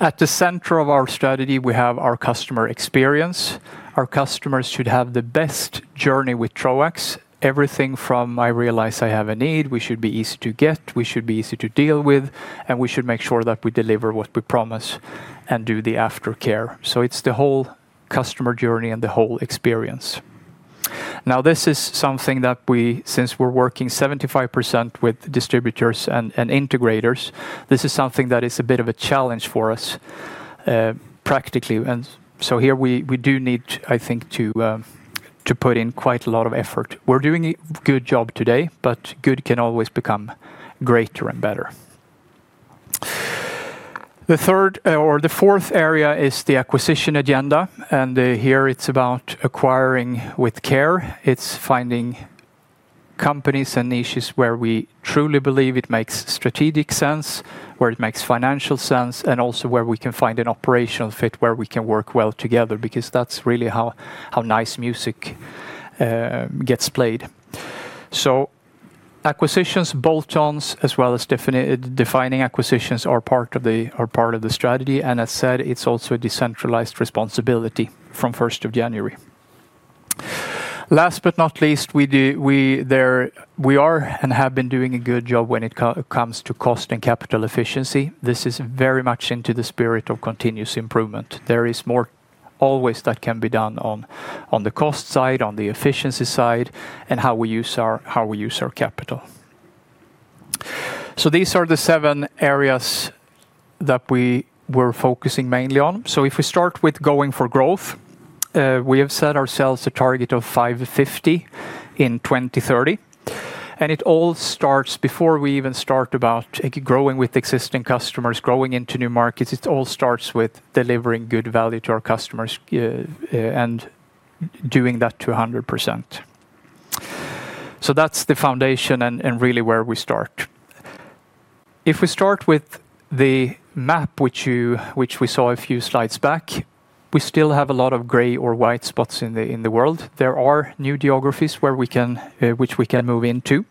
At the center of our strategy, we have our customer experience. Our customers should have the best journey with Troax. Everything from, "I realize I have a need," we should be easy to get, we should be easy to deal with, and we should make sure that we deliver what we promise and do the aftercare. It is the whole customer journey and the whole experience. Now, this is something that we, since we're working 75% with distributors and integrators, this is something that is a bit of a challenge for us practically. Here we do need, I think, to put in quite a lot of effort. We're doing a good job today, but good can always become greater and better. The third or the fourth area is the acquisition agenda. Here it's about acquiring with care. It's finding companies and niches where we truly believe it makes strategic sense, where it makes financial sense, and also where we can find an operational fit where we can work well together, because that's really how nice music gets played. Acquisitions, bolt-ons, as well as defining acquisitions are part of the strategy. As said, it's also a decentralized responsibility from 1st of January. Last but not least, we are and have been doing a good job when it comes to cost and capital efficiency. This is very much into the spirit of continuous improvement. There is more always that can be done on the cost side, on the efficiency side, and how we use our capital. These are the seven areas that we were focusing mainly on. If we start with going for growth, we have set ourselves a target of 550 million in 2030. It all starts before we even start about growing with existing customers, growing into new markets. It all starts with delivering good value to our customers and doing that to 100%. That is the foundation and really where we start. If we start with the map, which we saw a few slides back, we still have a lot of gray or white spots in the world. There are new geographies which we can move into.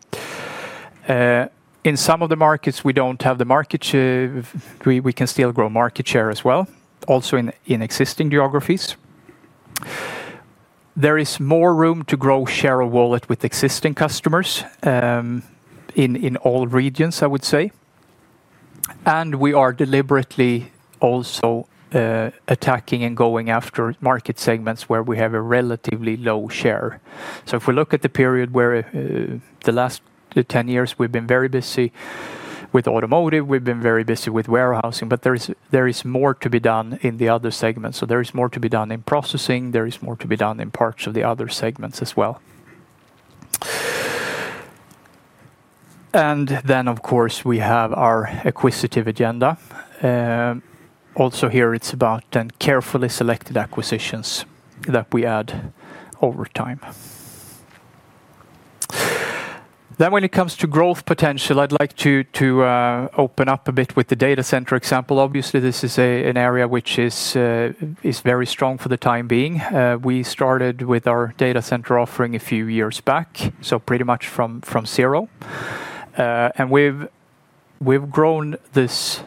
In some of the markets, we do not have the market share. We can still grow market share as well, also in existing geographies. There is more room to grow share of wallet with existing customers in all regions, I would say. We are deliberately also attacking and going after market segments where we have a relatively low share. If we look at the period where the last 10 years, we have been very busy with automotive, we have been very busy with warehousing, but there is more to be done in the other segments. There is more to be done in processing. There is more to be done in parts of the other segments as well. Of course, we have our acquisitive agenda. Also here, it's about then carefully selected acquisitions that we add over time. When it comes to growth potential, I'd like to open up a bit with the data center example. Obviously, this is an area which is very strong for the time being. We started with our data center offering a few years back, so pretty much from zero. We've grown this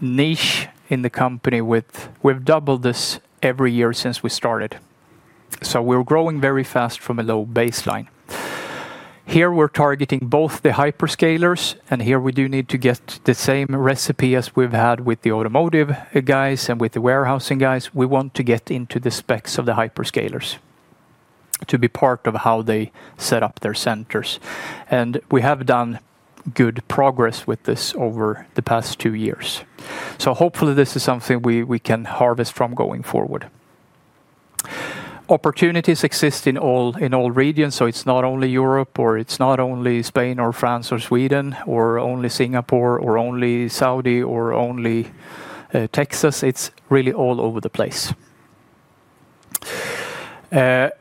niche in the company, we've doubled this every year since we started. We're growing very fast from a low baseline. Here we're targeting both the hyperscalers, and here we do need to get the same recipe as we've had with the automotive guys and with the warehousing guys. We want to get into the specs of the hyperscalers to be part of how they set up their centers. We have done good progress with this over the past two years. Hopefully this is something we can harvest from going forward. Opportunities exist in all regions, so it's not only Europe or it's not only Spain or France or Sweden or only Singapore or only Saudi or only Texas. It's really all over the place.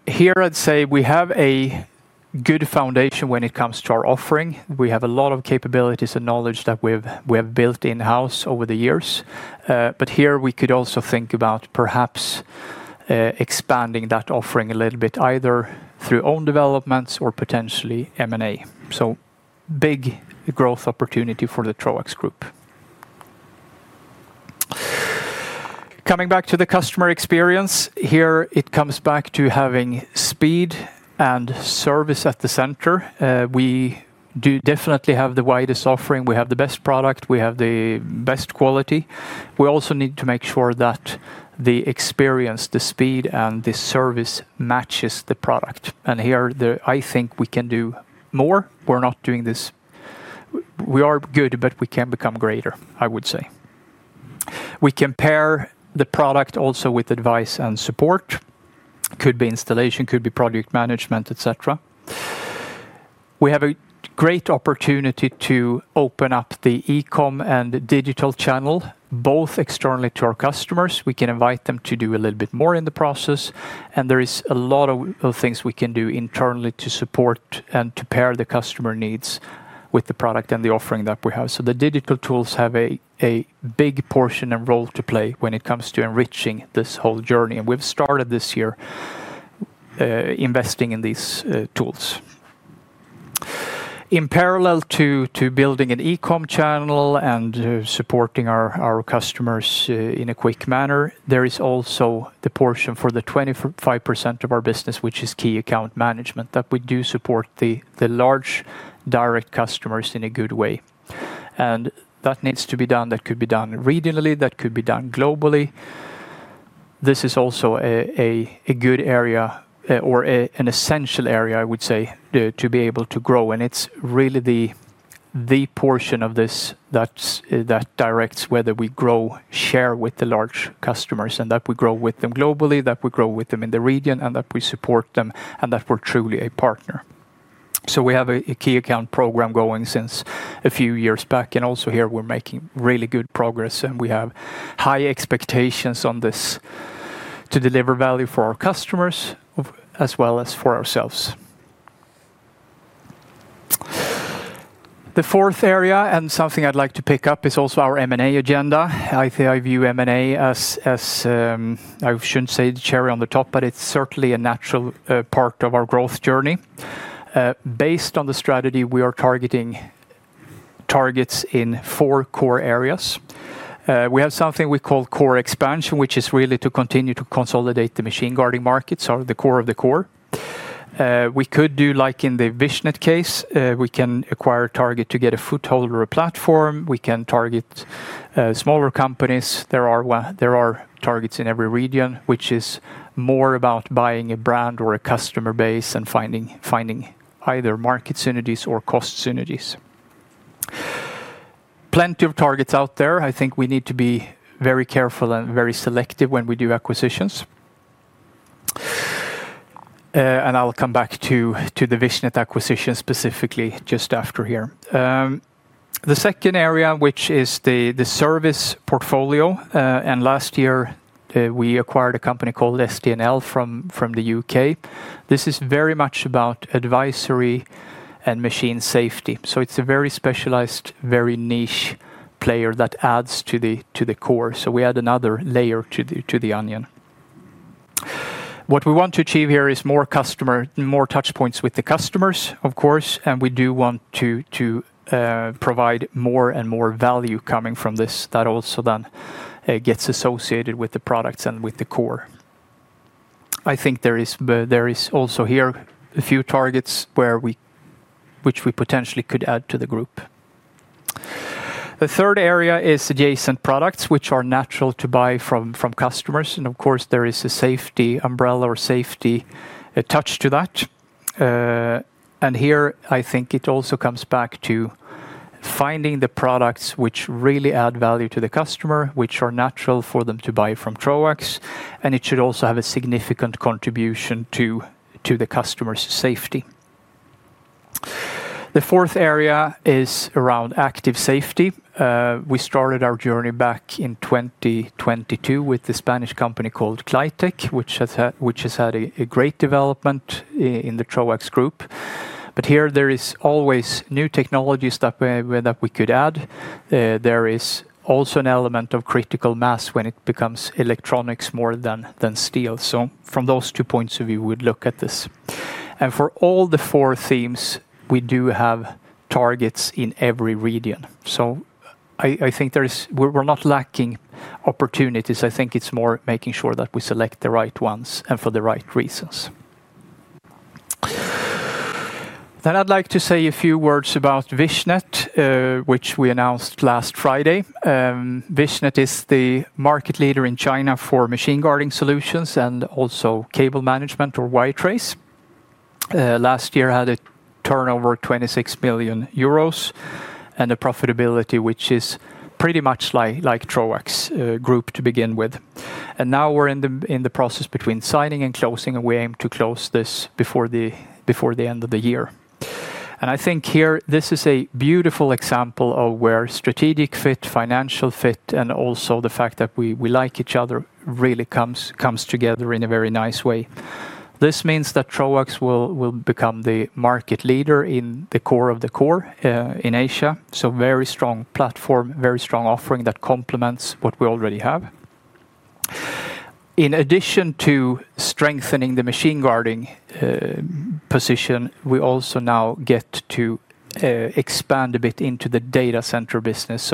Here I'd say we have a good foundation when it comes to our offering. We have a lot of capabilities and knowledge that we have built in-house over the years. Here we could also think about perhaps expanding that offering a little bit, either through own developments or potentially M&A. Big growth opportunity for the Troax group. Coming back to the customer experience, here it comes back to having speed and service at the center. We definitely have the widest offering. We have the best product. We have the best quality. We also need to make sure that the experience, the speed, and the service matches the product. I think we can do more. We're not doing this. We are good, but we can become greater, I would say. We compare the product also with advice and support. It could be installation, could be project management, etc. We have a great opportunity to open up the e-com and digital channel, both externally to our customers. We can invite them to do a little bit more in the process. There is a lot of things we can do internally to support and to pair the customer needs with the product and the offering that we have. The digital tools have a big portion and role to play when it comes to enriching this whole journey. We have started this year investing in these tools. In parallel to building an e-com channel and supporting our customers in a quick manner, there is also the portion for the 25% of our business, which is key account management, that we do support the large direct customers in a good way. That needs to be done. That could be done regionally. That could be done globally. This is also a good area or an essential area, I would say, to be able to grow. It is really the portion of this that directs whether we grow share with the large customers and that we grow with them globally, that we grow with them in the region, and that we support them and that we are truly a partner. We have a key account program going since a few years back. Also here we are making really good progress. We have high expectations on this to deliver value for our customers as well as for ourselves. The fourth area and something I would like to pick up is also our M&A agenda. I think I view M&A as, I should not say the cherry on the top, but it is certainly a natural part of our growth journey. Based on the strategy, we are targeting targets in four core areas. We have something we call core expansion, which is really to continue to consolidate the machine guarding markets, so the core of the core. We could do like in the Vichnet case. We can acquire a target to get a foothold or a platform. We can target smaller companies. There are targets in every region, which is more about buying a brand or a customer base and finding either market synergies or cost synergies. Plenty of targets out there. I think we need to be very careful and very selective when we do acquisitions. I will come back to the Vichnet acquisition specifically just after here. The second area, which is the service portfolio. Last year we acquired a company called STNL from the U.K. This is very much about advisory and machine safety. It is a very specialized, very niche player that adds to the core. We add another layer to the onion. What we want to achieve here is more touchpoints with the customers, of course. We do want to provide more and more value coming from this that also then gets associated with the products and with the core. I think there is also here a few targets which we potentially could add to the group. The third area is adjacent products, which are natural to buy from customers. Of course, there is a safety umbrella or safety touch to that. Here I think it also comes back to finding the products which really add value to the customer, which are natural for them to buy from Troax. It should also have a significant contribution to the customer's safety. The fourth area is around active safety. We started our journey back in 2022 with the Spanish company called KLY--TEK, which has had a great development in the Troax group. There is always new technologies that we could add. There is also an element of critical mass when it becomes electronics more than steel. From those two points of view, we would look at this. For all the four themes, we do have targets in every region. I think we're not lacking opportunities. I think it's more making sure that we select the right ones and for the right reasons. I would like to say a few words about Vichnet, which we announced last Friday. Vichnet is the market leader in China for machine guarding solutions and also cable management or Y-Trace. Last year had a turnover of 26 billion euros and a profitability which is pretty much like Troax Group to begin with. We are in the process between signing and closing, and we aim to close this before the end of the year. I think here this is a beautiful example of where strategic fit, financial fit, and also the fact that we like each other really comes together in a very nice way. This means that Troax will become the market leader in the core of the core in Asia. Very strong platform, very strong offering that complements what we already have. In addition to strengthening the machine guarding position, we also now get to expand a bit into the data center business.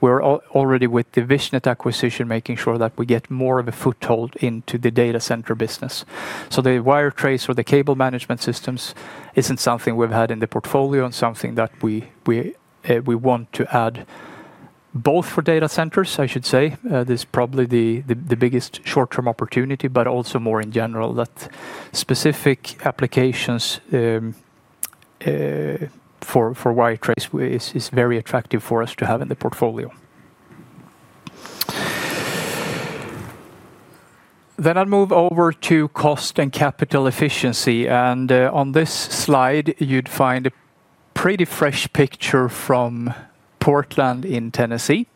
We are already with the Vichnet acquisition, making sure that we get more of a foothold into the data center business. The Y-Trace or the cable management systems is not something we've had in the portfolio and is something that we want to add both for data centers, I should say. This is probably the biggest short-term opportunity, but also more in general that specific applications for Y-Trace are very attractive for us to have in the portfolio. I will move over to cost and capital efficiency. On this slide, you find a pretty fresh picture from Portland in Tennessee.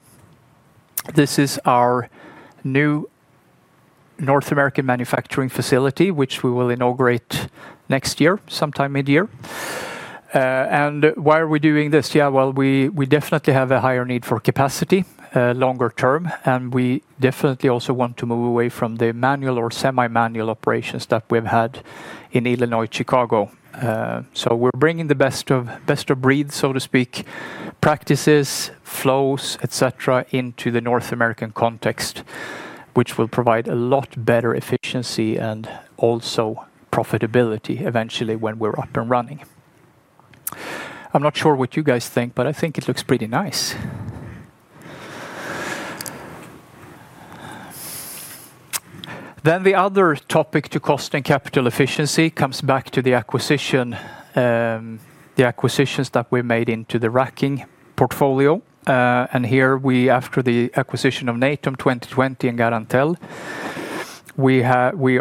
This is our new North American manufacturing facility, which we will inaugurate next year, sometime mid-year. Why are we doing this? We definitely have a higher need for capacity longer term, and we definitely also want to move away from the manual or semi-manual operations that we've had in Illinois, Chicago. We're bringing the best of breed, so to speak, practices, flows, etc., into the North American context, which will provide a lot better efficiency and also profitability eventually when we're up and running. I'm not sure what you guys think, but I think it looks pretty nice. The other topic to cost and capital efficiency comes back to the acquisitions that we made into the racking portfolio. Here we, after the acquisition of Natom in 2020 and Garantell,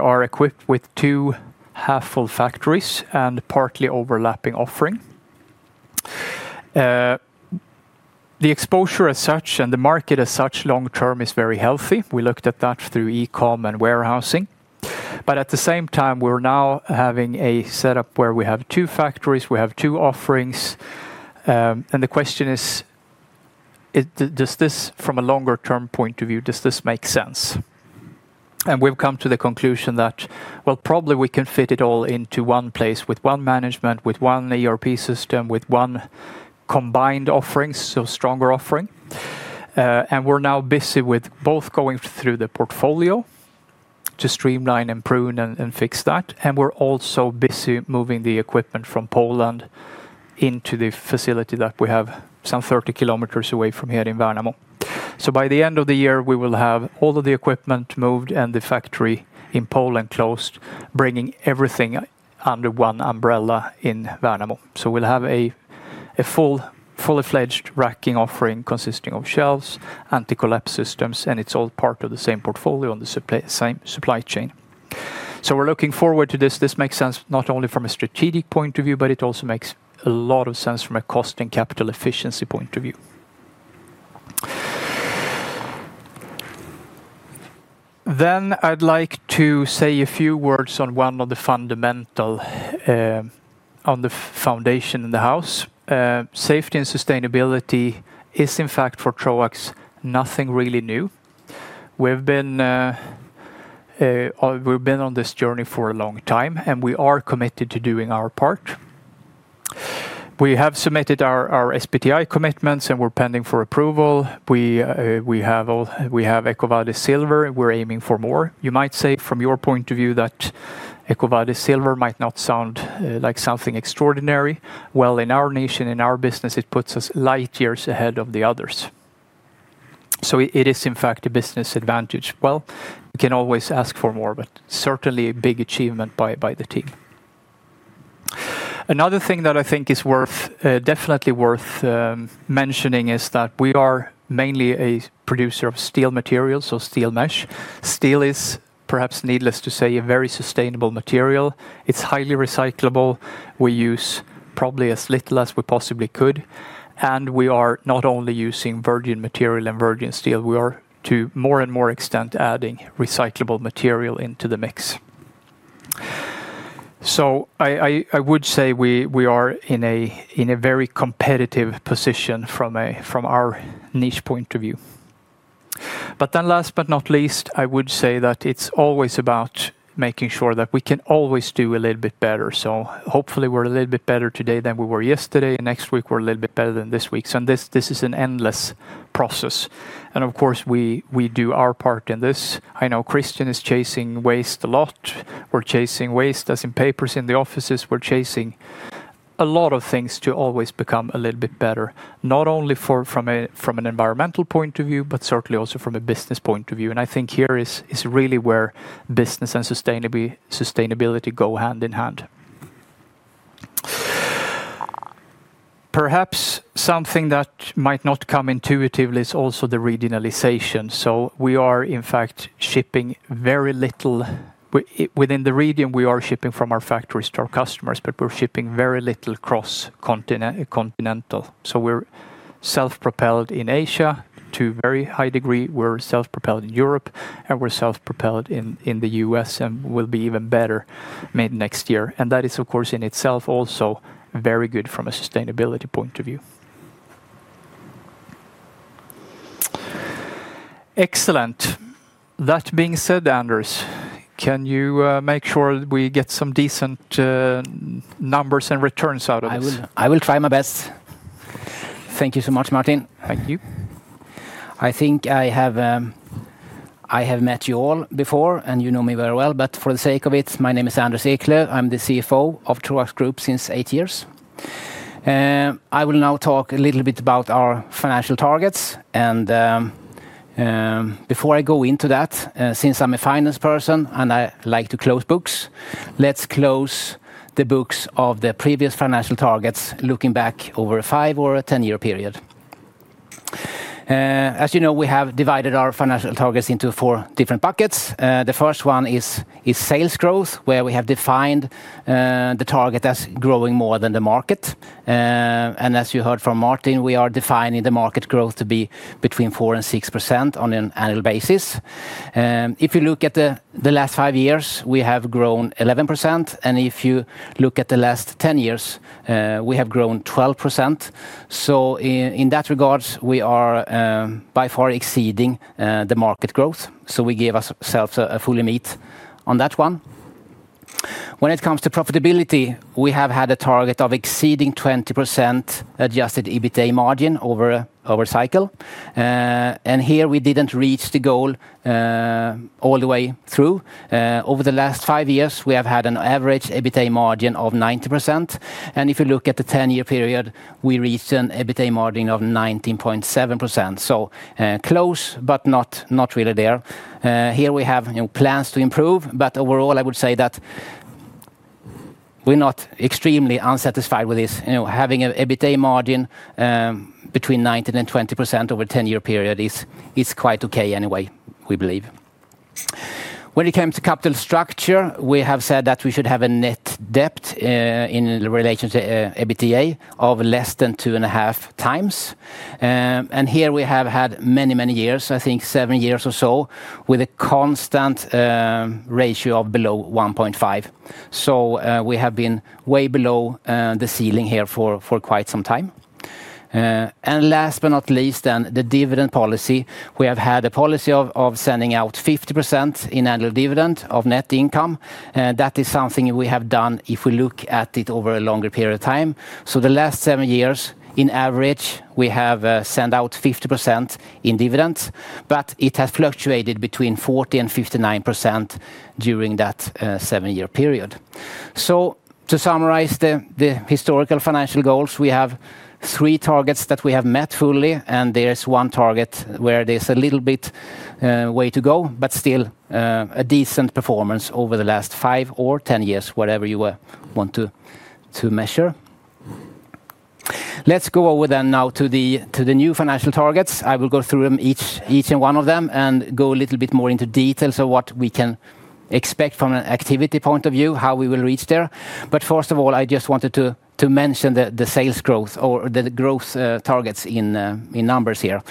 are equipped with two half-full factories and partly overlapping offering. The exposure as such and the market as such long term is very healthy. We looked at that through e-com and warehousing. At the same time, we're now having a setup where we have two factories, we have two offerings. The question is, does this from a longer-term point of view, does this make sense? We have come to the conclusion that, probably we can fit it all into one place with one management, with one ERP system, with one combined offering, so stronger offering. We are now busy with both going through the portfolio to streamline and prune and fix that. We are also busy moving the equipment from Poland into the facility that we have some 30 km away from here in Värnamo. By the end of the year, we will have all of the equipment moved and the factory in Poland closed, bringing everything under one umbrella in Värnamo. We will have a fully fledged racking offering consisting of shelves, anti-collapse systems, and it is all part of the same portfolio on the same supply chain. We are looking forward to this. This makes sense not only from a strategic point of view, but it also makes a lot of sense from a cost and capital efficiency point of view. I would like to say a few words on one of the fundamental, on the foundation in the house. Safety and sustainability is, in fact, for Troax, nothing really new. We have been on this journey for a long time, and we are committed to doing our part. We have submitted our SBTi commitments, and we are pending for approval. We have EcoVadis Silver, and we are aiming for more. You might say from your point of view that EcoVadis Silver might not sound like something extraordinary. In our nation, in our business, it puts us light years ahead of the others. It is, in fact, a business advantage. We can always ask for more, but certainly a big achievement by the team. Another thing that I think is definitely worth mentioning is that we are mainly a producer of steel materials, so steel mesh. Steel is perhaps needless to say a very sustainable material. It is highly recyclable. We use probably as little as we possibly could. We are not only using virgin material and virgin steel. We are, to more and more extent, adding recyclable material into the mix. I would say we are in a very competitive position from our niche point of view. Last but not least, I would say that it is always about making sure that we can always do a little bit better. Hopefully we are a little bit better today than we were yesterday, and next week we are a little bit better than this week. This is an endless process. Of course, we do our part in this. I know Christian is chasing waste a lot. We're chasing waste, as in papers in the offices. We're chasing a lot of things to always become a little bit better, not only from an environmental point of view, but certainly also from a business point of view. I think here is really where business and sustainability go hand in hand. Perhaps something that might not come intuitively is also the regionalization. We are, in fact, shipping very little. Within the region, we are shipping from our factories to our customers, but we're shipping very little cross-continental. We're self-propelled in Asia to a very high degree. We're self-propelled in Europe, and we're self-propelled in the U.S. and will be even better made next year. That is, of course, in itself also very good from a sustainability point of view. Excellent. That being said, Anders, can you make sure we get some decent numbers and returns out of this? I will try my best. Thank you so much, Martin. Thank you. I think I have met you all before, and you know me very well. For the sake of it, my name is Anders Eklöf. I'm the CFO of Troax Group since eight years. I will now talk a little bit about our financial targets. Before I go into that, since I'm a finance person and I like to close books, let's close the books of the previous financial targets looking back over a five or a ten-year period. As you know, we have divided our financial targets into four different buckets. The first one is sales growth, where we have defined the target as growing more than the market. As you heard from Martin, we are defining the market growth to be between 4-6% on an annual basis. If you look at the last five years, we have grown 11%. If you look at the last ten years, we have grown 12%. In that regard, we are by far exceeding the market growth. We give ourselves a fully meet on that one. When it comes to profitability, we have had a target of exceeding 20% adjusted EBITDA margin over cycle. Here we did not reach the goal all the way through. Over the last five years, we have had an average EBITDA margin of 19%. If you look at the ten-year period, we reached an EBITDA margin of 19.7%. Close, but not really there. Here we have plans to improve, but overall, I would say that we're not extremely unsatisfied with this. Having an EBITDA margin between 19-20% over a ten-year period is quite okay anyway, we believe. When it comes to capital structure, we have said that we should have a net debt in relation to EBITDA of less than 2.5 times. Here we have had many, many years, I think seven years or so, with a constant ratio of below 1.5. We have been way below the ceiling here for quite some time. Last but not least, the dividend policy. We have had a policy of sending out 50% in annual dividend of net income. That is something we have done if we look at it over a longer period of time. The last seven years, in average, we have sent out 50% in dividends, but it has fluctuated between 40% and 59% during that seven-year period. To summarize the historical financial goals, we have three targets that we have met fully, and there is one target where there's a little bit way to go, but still a decent performance over the last five or ten years, whatever you want to measure. Let's go over then now to the new financial targets. I will go through each and one of them and go a little bit more into details of what we can expect from an activity point of view, how we will reach there. First of all, I just wanted to mention the sales growth or the growth targets in numbers here.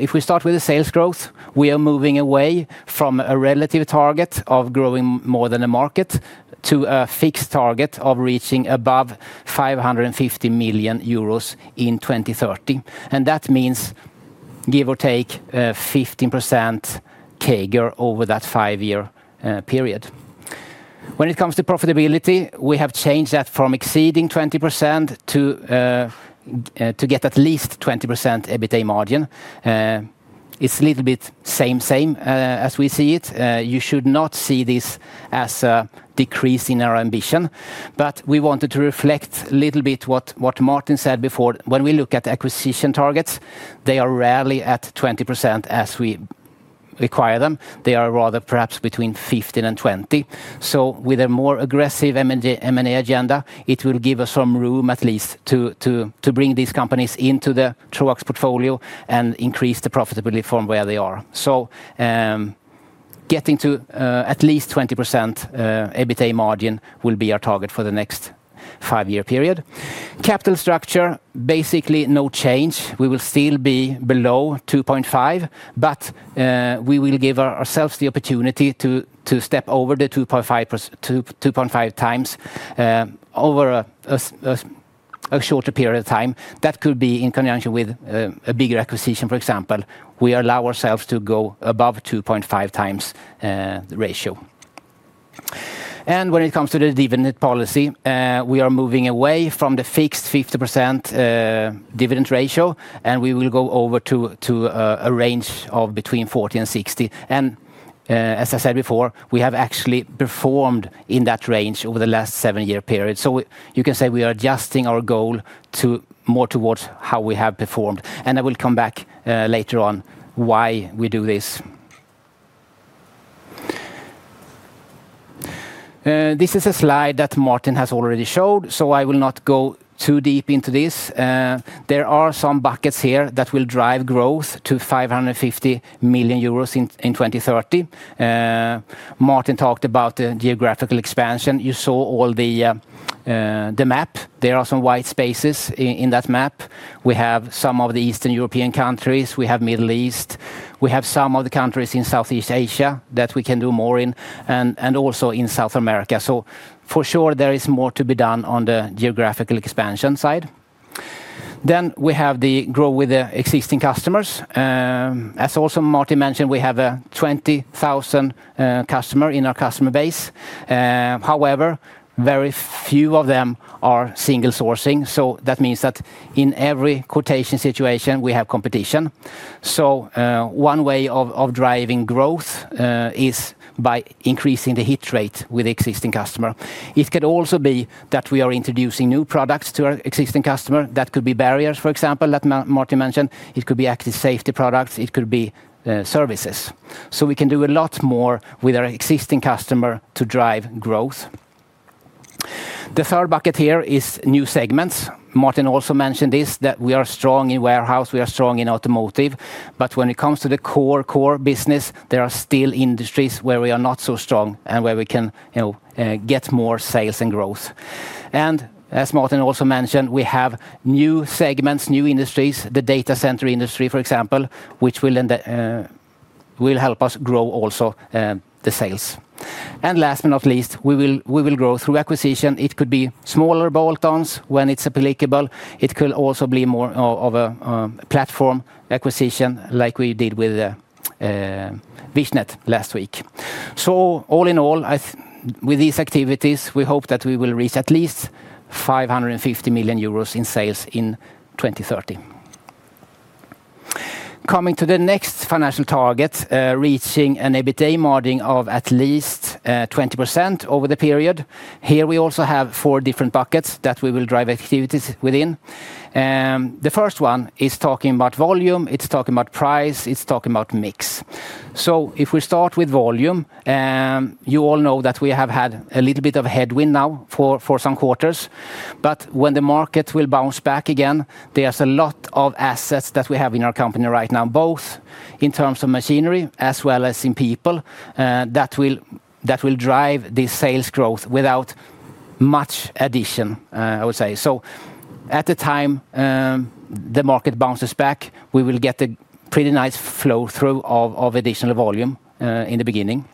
If we start with the sales growth, we are moving away from a relative target of growing more than a market to a fixed target of reaching above 550 million euros in 2030. That means, give or take, 15% CAGR over that five-year period. When it comes to profitability, we have changed that from exceeding 20% to get at least 20% EBITDA margin. It is a little bit same same as we see it. You should not see this as a decrease in our ambition, but we wanted to reflect a little bit what Martin said before. When we look at acquisition targets, they are rarely at 20% as we require them. They are rather perhaps between 15% and 20%. With a more aggressive M&A agenda, it will give us some room at least to bring these companies into the Troax portfolio and increase the profitability from where they are. Getting to at least 20% EBITDA margin will be our target for the next five-year period. Capital structure, basically no change. We will still be below 2.5, but we will give ourselves the opportunity to step over the 2.5 times over a shorter period of time. That could be in conjunction with a bigger acquisition, for example. We allow ourselves to go above 2.5 times the ratio. When it comes to the dividend policy, we are moving away from the fixed 50% dividend ratio, and we will go over to a range of between 40% and 60%. As I said before, we have actually performed in that range over the last seven-year period. You can say we are adjusting our goal more towards how we have performed. I will come back later on why we do this. This is a slide that Martin has already showed, so I will not go too deep into this. There are some buckets here that will drive growth to 550 million euros in 2030. Martin talked about the geographical expansion. You saw all the map. There are some white spaces in that map. We have some of the Eastern European countries. We have Middle East. We have some of the countries in Southeast Asia that we can do more in and also in South America. For sure, there is more to be done on the geographical expansion side. We have the grow with the existing customers. As also Martin mentioned, we have a 20,000 customer in our customer base. However, very few of them are single sourcing. That means that in every quotation situation, we have competition. One way of driving growth is by increasing the hit rate with the existing customer. It could also be that we are introducing new products to our existing customer. That could be barriers, for example, that Martin mentioned. It could be active safety products. It could be services. We can do a lot more with our existing customer to drive growth. The third bucket here is new segments. Martin also mentioned this, that we are strong in warehouse. We are strong in automotive. When it comes to the core business, there are still industries where we are not so strong and where we can get more sales and growth. As Martin also mentioned, we have new segments, new industries, the data center industry, for example, which will help us grow also the sales. Last but not least, we will grow through acquisition. It could be smaller bolt-ons when it's applicable. It could also be more of a platform acquisition like we did with Vichnet last week. All in all, with these activities, we hope that we will reach at least 550 million euros in sales in 2030. Coming to the next financial target, reaching an EBITDA margin of at least 20% over the period. Here we also have four different buckets that we will drive activities within. The first one is talking about volume. It's talking about price. It's talking about mix. If we start with volume, you all know that we have had a little bit of a headwind now for some quarters. When the market will bounce back again, there is a lot of assets that we have in our company right now, both in terms of machinery as well as in people that will drive the sales growth without much addition, I would say. At the time the market bounces back, we will get a pretty nice flow through of additional volume in the beginning.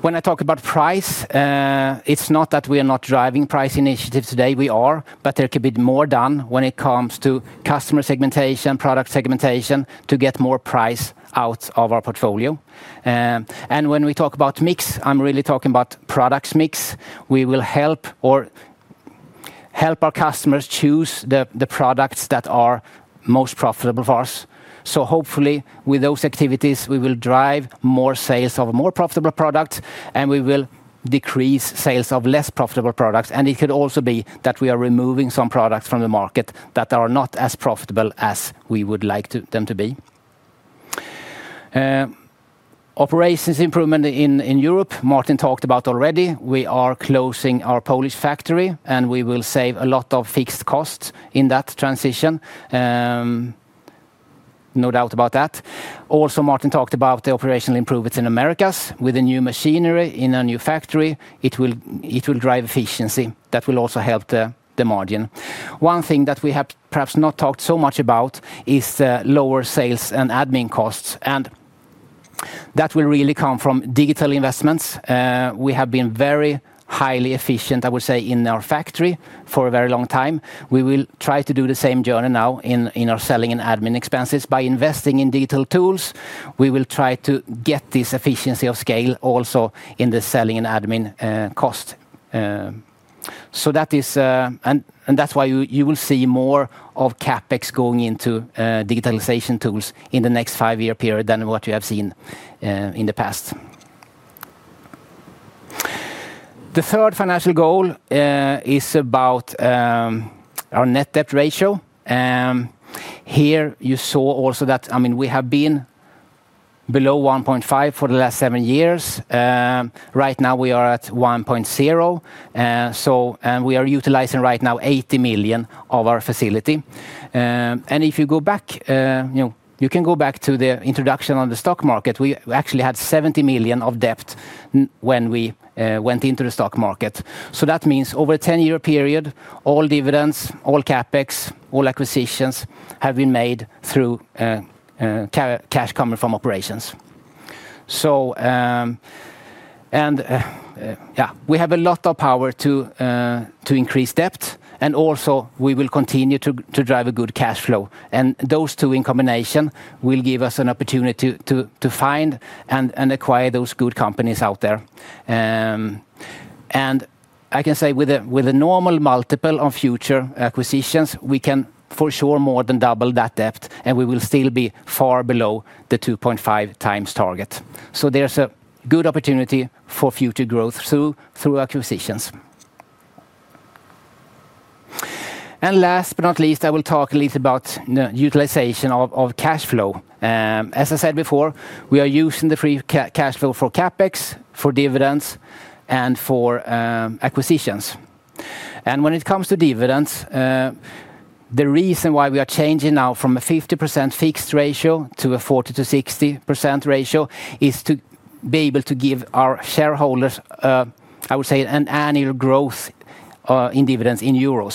When I talk about price, it is not that we are not driving price initiatives today. We are, but there could be more done when it comes to customer segmentation, product segmentation to get more price out of our portfolio. When we talk about mix, I am really talking about products mix. We will help our customers choose the products that are most profitable for us. Hopefully with those activities, we will drive more sales of a more profitable product and we will decrease sales of less profitable products. It could also be that we are removing some products from the market that are not as profitable as we would like them to be. Operations improvement in Europe, Martin talked about already. We are closing our Polish factory and we will save a lot of fixed costs in that transition. No doubt about that. Also, Martin talked about the operational improvements in Americas with the new machinery in a new factory. It will drive efficiency. That will also help the margin. One thing that we have perhaps not talked so much about is lower sales and admin costs. That will really come from digital investments. We have been very highly efficient, I would say, in our factory for a very long time. We will try to do the same journey now in our selling and admin expenses by investing in digital tools. We will try to get this efficiency of scale also in the selling and admin cost. That is, and that's why you will see more of CapEx going into digitalization tools in the next five-year period than what you have seen in the past. The third financial goal is about our net debt ratio. Here you saw also that, I mean, we have been below 1.5 for the last seven years. Right now we are at 1.0. We are utilizing right now 80 million of our facility. If you go back, you can go back to the introduction on the stock market. We actually had 70 million of debt when we went into the stock market. That means over a ten-year period, all dividends, all CapEx, all acquisitions have been made through cash coming from operations. Yeah, we have a lot of power to increase debt. We will continue to drive a good cash flow. Those two in combination will give us an opportunity to find and acquire those good companies out there. I can say with a normal multiple on future acquisitions, we can for sure more than double that debt and we will still be far below the 2.5 times target. There is a good opportunity for future growth through acquisitions. Last but not least, I will talk a little about the utilization of cash flow. As I said before, we are using the free cash flow for CapEx, for dividends, and for acquisitions. When it comes to dividends, the reason why we are changing now from a 50% fixed ratio to a 40-60% ratio is to be able to give our shareholders, I would say, an annual growth in dividends in EUR.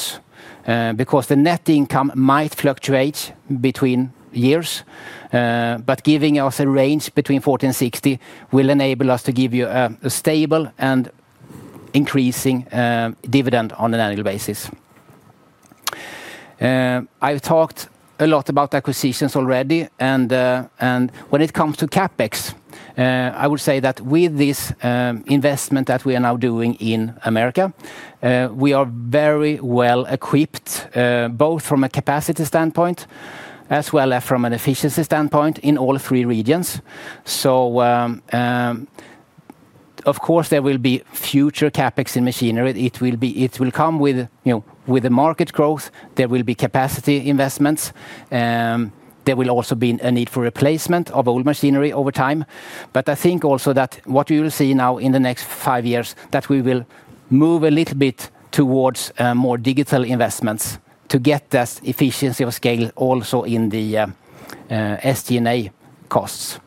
The net income might fluctuate between years, but giving us a range between 40% and 60% will enable us to give you a stable and increasing dividend on an annual basis. I have talked a lot about acquisitions already. When it comes to CapEx, I would say that with this investment that we are now doing in the America, we are very well equipped both from a capacity standpoint as well as from an efficiency standpoint in all three regions. Of course, there will be future CapEx in machinery. It will come with the market growth. There will be capacity investments. There will also be a need for replacement of old machinery over time. I think also that what you will see now in the next five years is that we will move a little bit towards more digital investments to get that efficiency of scale also in the SG&A costs.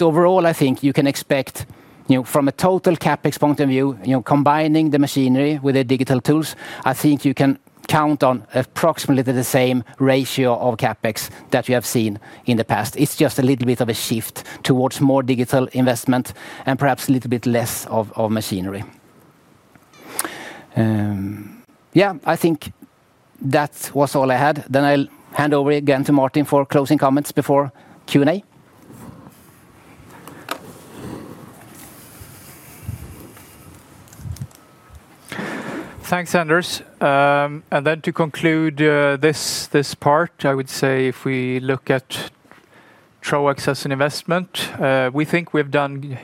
Overall, I think you can expect from a total CapEx point of view, combining the machinery with the digital tools, you can count on approximately the same ratio of CapEx that you have seen in the past. It is just a little bit of a shift towards more digital investment and perhaps a little bit less of machinery. I think that was all I had. I will hand over again to Martin for closing comments before Q&A. Thanks, Anders. To conclude this part, I would say if we look at Troax as an investment, we think we've done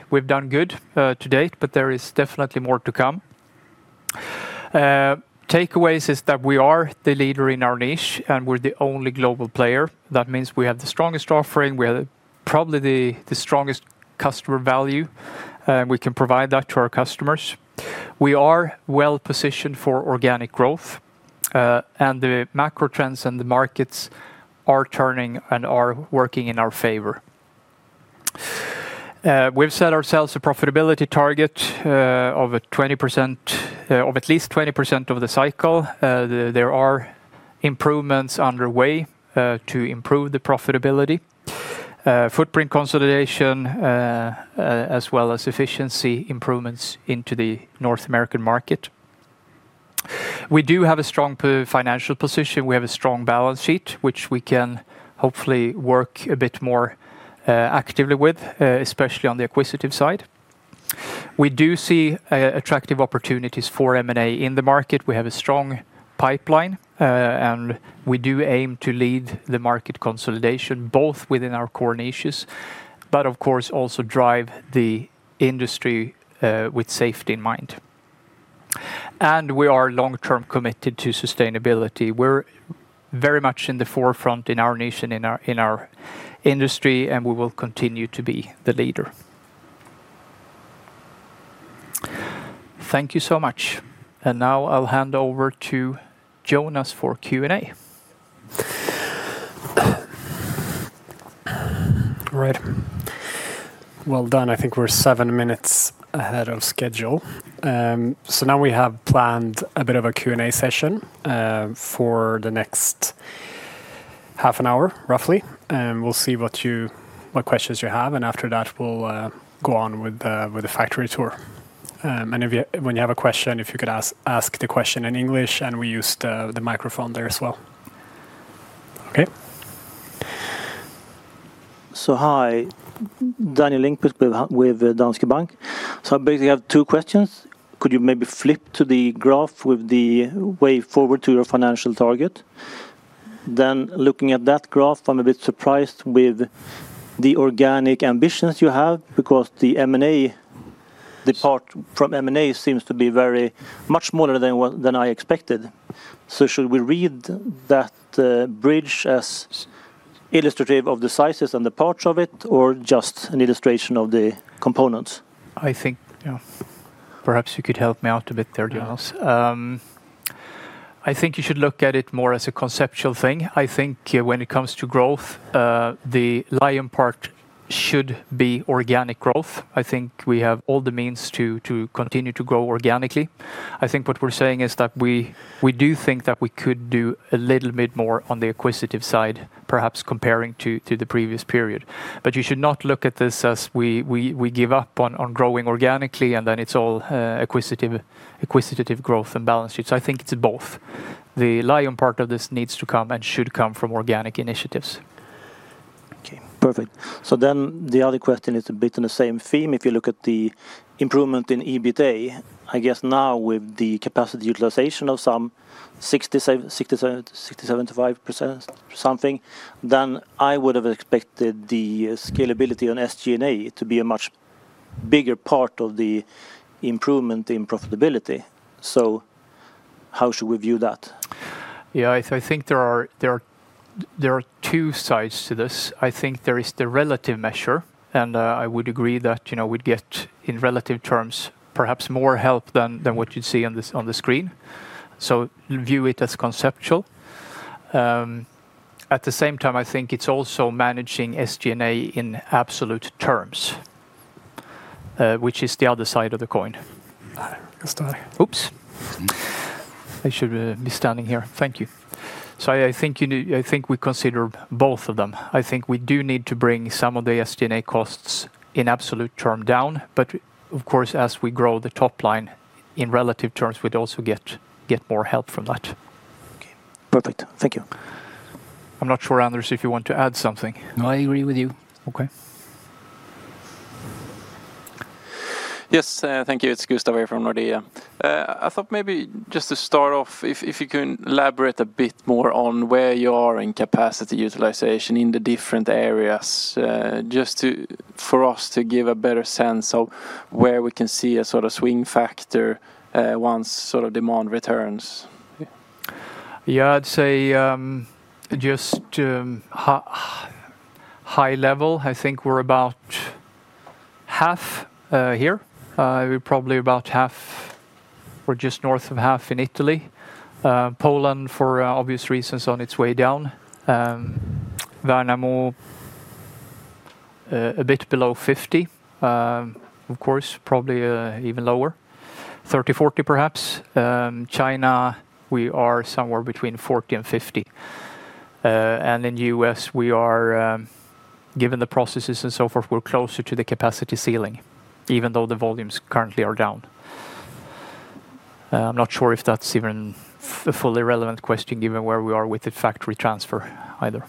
good to date, but there is definitely more to come. Takeaways is that we are the leader in our niche and we're the only global player. That means we have the strongest offering. We have probably the strongest customer value. We can provide that to our customers. We are well positioned for organic growth. The macro trends and the markets are turning and are working in our favor. We've set ourselves a profitability target of at least 20% of the cycle. There are improvements underway to improve the profitability, footprint consolidation, as well as efficiency improvements into the North American market. We do have a strong financial position. We have a strong balance sheet, which we can hopefully work a bit more actively with, especially on the acquisitive side. We do see attractive opportunities for M&A in the market. We have a strong pipeline, and we do aim to lead the market consolidation both within our core niches, but of course also drive the industry with safety in mind. We are long-term committed to sustainability. We're very much in the forefront in our nation, in our industry, and we will continue to be the leader. Thank you so much. Now I'll hand over to Jonas for Q&A. All right. Well done. I think we're seven minutes ahead of schedule. We have planned a bit of a Q&A session for the next half an hour, roughly. We'll see what questions you have. After that, we'll go on with the factory tour. When you have a question, if you could ask the question in English, and we use the microphone there as well. Okay. Hi, Daniel Lindqvist with Danske Bank. I basically have two questions. Could you maybe flip to the graph with the way forward to your financial target? Looking at that graph, I am a bit surprised with the organic ambitions you have because the part from M&A seems to be much smaller than I expected. Should we read that bridge as illustrative of the sizes and the parts of it or just an illustration of the components? I think, yeah, perhaps you could help me out a bit there, Jonas. I think you should look at it more as a conceptual thing. I think when it comes to growth, the lion part should be organic growth. I think we have all the means to continue to grow organically. I think what we're saying is that we do think that we could do a little bit more on the acquisitive side, perhaps comparing to the previous period. You should not look at this as we give up on growing organically and then it's all acquisitive growth and balance sheets. I think it's both. The lion part of this needs to come and should come from organic initiatives. Okay, perfect. The other question is a bit on the same theme. If you look at the improvement in EBITDA, I guess now with the capacity utilization of some 60%-75% something, then I would have expected the scalability on SG&A to be a much bigger part of the improvement in profitability. How should we view that? Yeah, I think there are two sides to this. I think there is the relative measure, and I would agree that we'd get in relative terms perhaps more help than what you'd see on the screen. View it as conceptual. At the same time, I think it's also managing SG&A in absolute terms, which is the other side of the coin. Oops. I should be standing here. Thank you. I think we consider both of them. I think we do need to bring some of the SG&A costs in absolute term down. Of course, as we grow the top line in relative terms, we'd also get more help from that. Okay, perfect. Thank you. I'm not sure, Anders, if you want to add something. No, I agree with you. Okay. Yes, thank you. It's Gustav here from Nordea. I thought maybe just to start off, if you can elaborate a bit more on where you are in capacity utilization in the different areas, just for us to give a better sense of where we can see a sort of swing factor once sort of demand returns. Yeah, I'd say just high level, I think we're about half here. We're probably about half or just north of half in Italy. Poland, for obvious reasons, on its way down. Värnamo, a bit below 50%, of course, probably even lower. 30-40% perhaps. China, we are somewhere between 40% and 50%. And in the U.S., we are, given the processes and so forth, we're closer to the capacity ceiling, even though the volumes currently are down. I'm not sure if that's even a fully relevant question given where we are with the factory transfer either.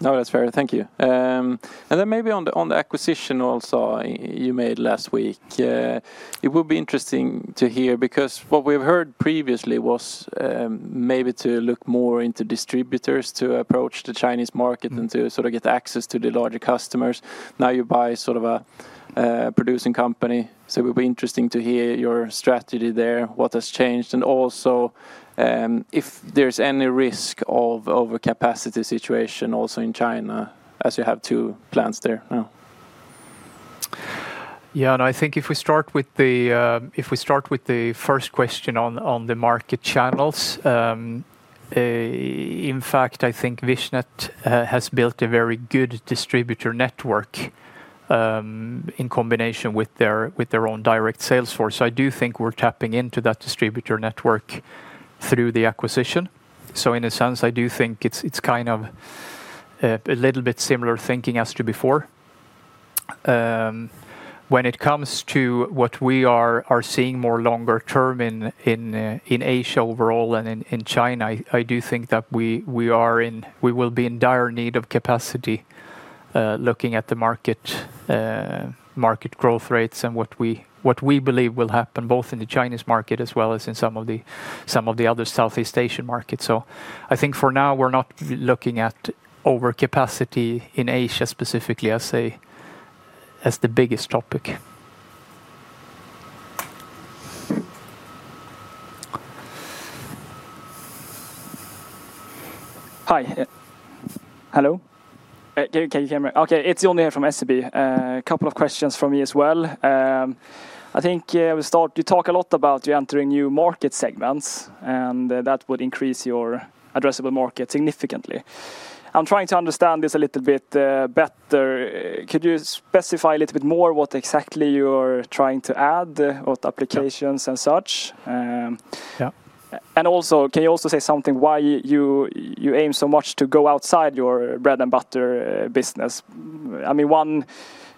No, that's fair. Thank you. Then maybe on the acquisition also you made last week, it would be interesting to hear because what we've heard previously was maybe to look more into distributors to approach the Chinese market and to sort of get access to the larger customers. Now you buy sort of a producing company. It would be interesting to hear your strategy there, what has changed, and also if there's any risk of overcapacity situation also in China as you have two plants there. Yeah, I think if we start with the first question on the market channels, in fact, I think Vichnet has built a very good distributor network in combination with their own direct sales force. I do think we're tapping into that distributor network through the acquisition. In a sense, I do think it's kind of a little bit similar thinking as to before. When it comes to what we are seeing more longer term in Asia overall and in China, I do think that we will be in dire need of capacity looking at the market growth rates and what we believe will happen both in the Chinese market as well as in some of the other Southeast Asian markets. I think for now we're not looking at overcapacity in Asia specifically as the biggest topic. Hi. Hello? Can you hear me? Okay, it's Jonny here from SEB. A couple of questions from me as well. I think we'll start. You talk a lot about you entering new market segments and that would increase your addressable market significantly. I'm trying to understand this a little bit better. Could you specify a little bit more what exactly you're trying to add, what applications and such? Also, can you say something about why you aim so much to go outside your bread and butter business? I mean, one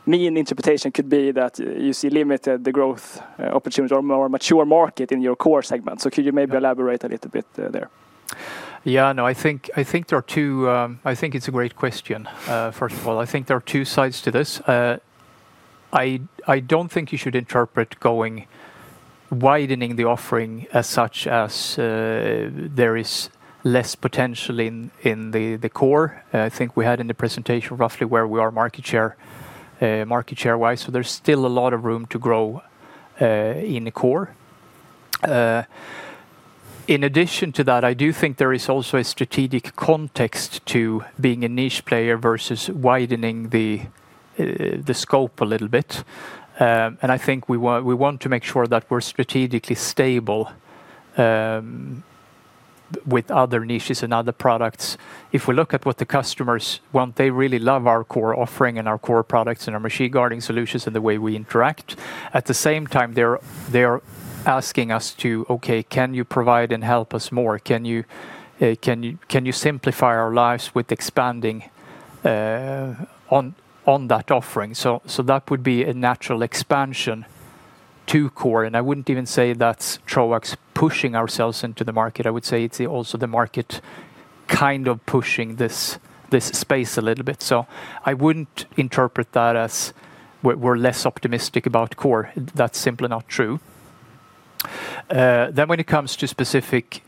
mean interpretation could be that you see limited growth opportunity or a mature market in your core segment. Could you maybe elaborate a little bit there? Yeah, no, I think there are two. I think it's a great question. First of all, I think there are two sides to this. I do not think you should interpret widening the offering as such as there is less potential in the core. I think we had in the presentation roughly where we are market share-wise. There is still a lot of room to grow in the core. In addition to that, I do think there is also a strategic context to being a niche player versus widening the scope a little bit. I think we want to make sure that we're strategically stable with other niches and other products. If we look at what the customers want, they really love our core offering and our core products and our machine guarding solutions and the way we interact. At the same time, they're asking us to, okay, can you provide and help us more? Can you simplify our lives with expanding on that offering? That would be a natural expansion to core. I wouldn't even say that's Troax pushing ourselves into the market. I would say it's also the market kind of pushing this space a little bit. I wouldn't interpret that as we're less optimistic about core. That's simply not true. When it comes to specific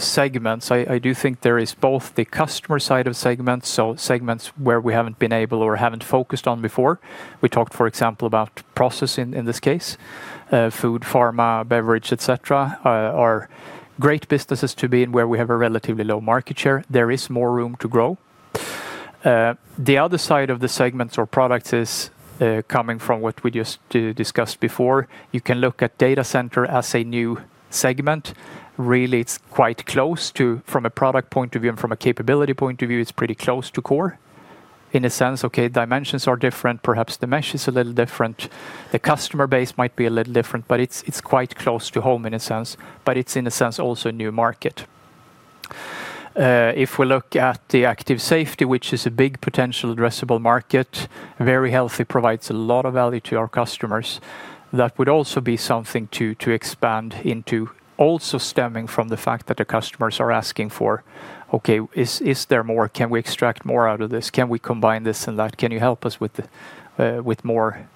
segments, I do think there is both the customer side of segments, so segments where we have not been able or have not focused on before. We talked, for example, about process in this case, food, pharma, beverage, etc. are great businesses to be in where we have a relatively low market share. There is more room to grow. The other side of the segments or products is coming from what we just discussed before. You can look at data center as a new segment. Really, it is quite close from a product point of view and from a capability point of view. It is pretty close to core in a sense. Okay, dimensions are different. Perhaps the mesh is a little different. The customer base might be a little different, but it is quite close to home in a sense. It is in a sense also a new market. If we look at the active safety, which is a big potential addressable market, very healthy, provides a lot of value to our customers. That would also be something to expand into. Also stemming from the fact that the customers are asking for, okay, is there more? Can we extract more out of this? Can we combine this and that? Can you help us with more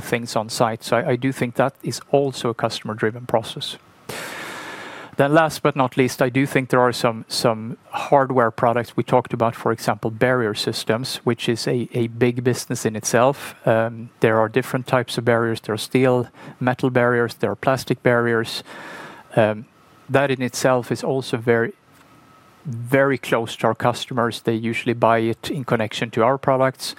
things on site? I do think that is also a customer-driven process. Last but not least, I do think there are some hardware products we talked about, for example, barrier systems, which is a big business in itself. There are different types of barriers. There are steel, metal barriers. There are plastic barriers. That in itself is also very close to our customers. They usually buy it in connection to our products.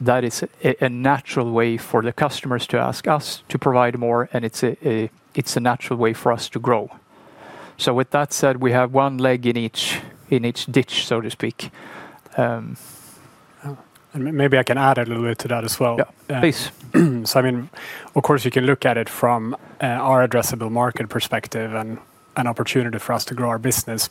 That is a natural way for the customers to ask us to provide more, and it's a natural way for us to grow. With that said, we have one leg in each ditch, so to speak. Maybe I can add a little bit to that as well. I mean, of course, you can look at it from our addressable market perspective and an opportunity for us to grow our business,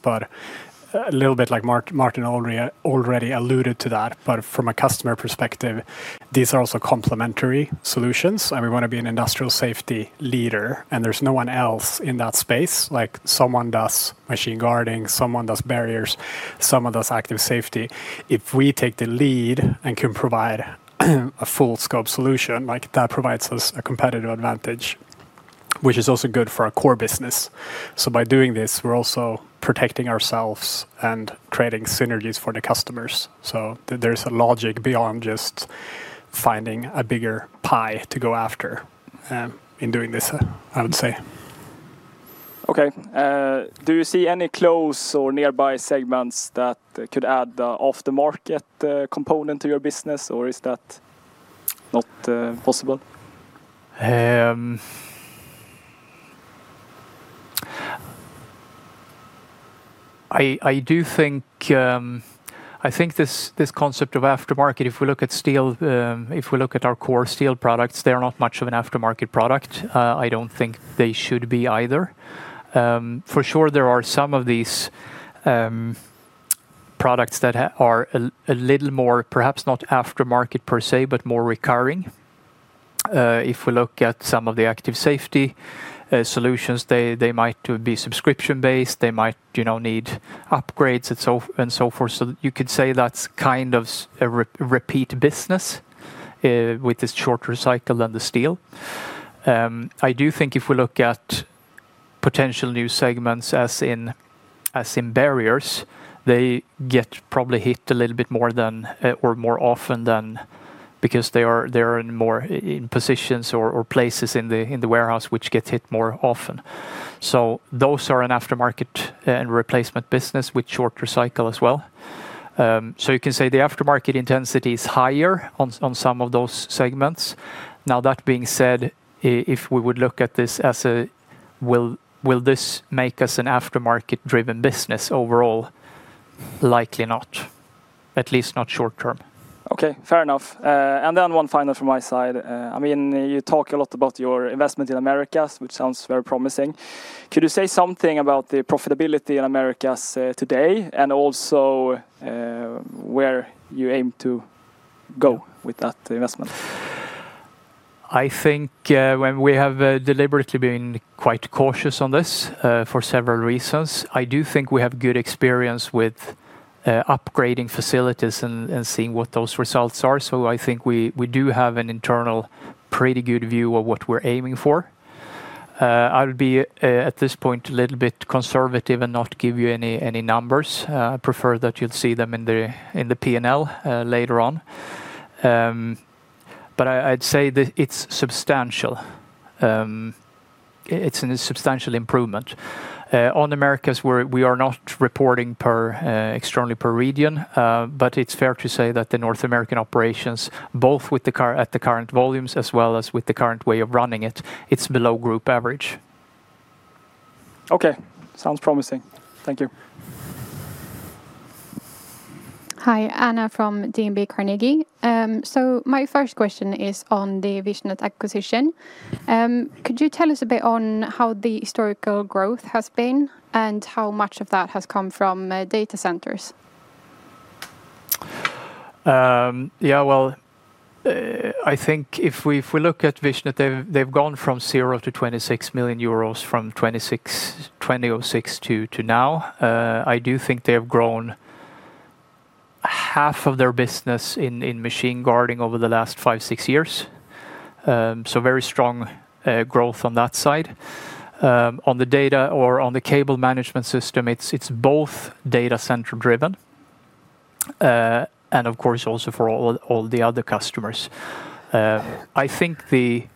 a little bit like Martin already alluded to that. From a customer perspective, these are also complementary solutions. We want to be an industrial safety leader, and there's no one else in that space. Like someone does machine guarding, someone does barriers, someone does active safety. If we take the lead and can provide a full-scope solution, that provides us a competitive advantage, which is also good for our core business. By doing this, we're also protecting ourselves and creating synergies for the customers. There's a logic beyond just finding a bigger pie to go after in doing this, I would say. Okay. Do you see any close or nearby segments that could add the aftermarket component to your business, or is that not possible? I think this concept of aftermarket, if we look at steel, if we look at our core steel products, they're not much of an aftermarket product. I don't think they should be either. For sure, there are some of these products that are a little more, perhaps not aftermarket per se, but more recurring. If we look at some of the active safety solutions, they might be subscription-based. They might need upgrades and so forth. You could say that's kind of a repeat business with this shorter cycle than the steel. I do think if we look at potential new segments as in barriers, they get probably hit a little bit more than or more often than because they're in more positions or places in the warehouse which get hit more often. Those are an aftermarket and replacement business with shorter cycle as well. You can say the aftermarket intensity is higher on some of those segments. That being said, if we would look at this as a, will this make us an aftermarket-driven business overall? Likely not, at least not short term. Okay, fair enough. One final from my side. I mean, you talk a lot about your investment in America, which sounds very promising. Could you say something about the profitability in America today and also where you aim to go with that investment? I think we have deliberately been quite cautious on this for several reasons. I do think we have good experience with upgrading facilities and seeing what those results are. I think we do have an internal pretty good view of what we're aiming for. I would be at this point a little bit conservative and not give you any numbers. I prefer that you'd see them in the P&L later on. I'd say that it's substantial. It's a substantial improvement. On Americas, we are not reporting externally per region, but it's fair to say that the North American operations, both at the current volumes as well as with the current way of running it, it's below group average. Okay, sounds promising. Thank you. Hi, Anna from DNB Carnegie. My first question is on the Vichnet acquisition. Could you tell us a bit on how the historical growth has been and how much of that has come from data centers? Yeah, I think if we look at Vichnet, they've gone from zero to 26 million euros from 2006 to now. I do think they have grown half of their business in machine guarding over the last five or six years. Very strong growth on that side. On the data or on the cable management system, it's both data center-driven and, of course, also for all the other customers. I think the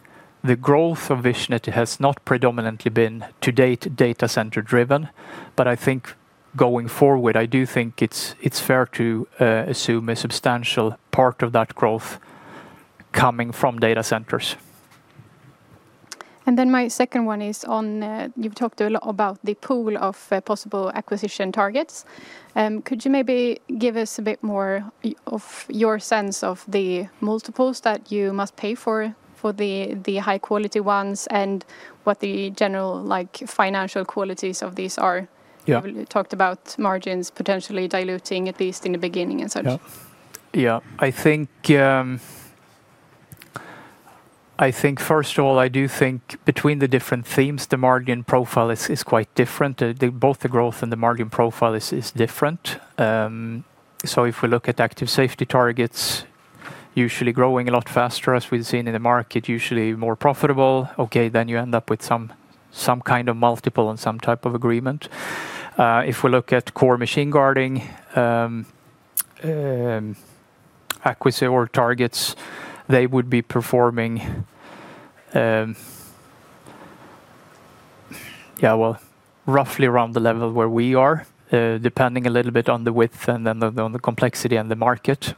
growth of Vichnet has not predominantly been to date data center-driven, but I think going forward, I do think it's fair to assume a substantial part of that growth coming from data centers. And then my second one is on, you've talked a lot about the pool of possible acquisition targets. Could you maybe give us a bit more of your sense of the multiples that you must pay for the high-quality ones and what the general financial qualities of these are? You talked about margins potentially diluting at least in the beginning and such. Yeah, I think first of all, I do think between the different themes, the margin profile is quite different. Both the growth and the margin profile is different. If we look at active safety targets, usually growing a lot faster as we've seen in the market, usually more profitable, okay, then you end up with some kind of multiple and some type of agreement. If we look at core machine guarding acquisition targets, they would be performing, yeah, roughly around the level where we are, depending a little bit on the width and then on the complexity and the market.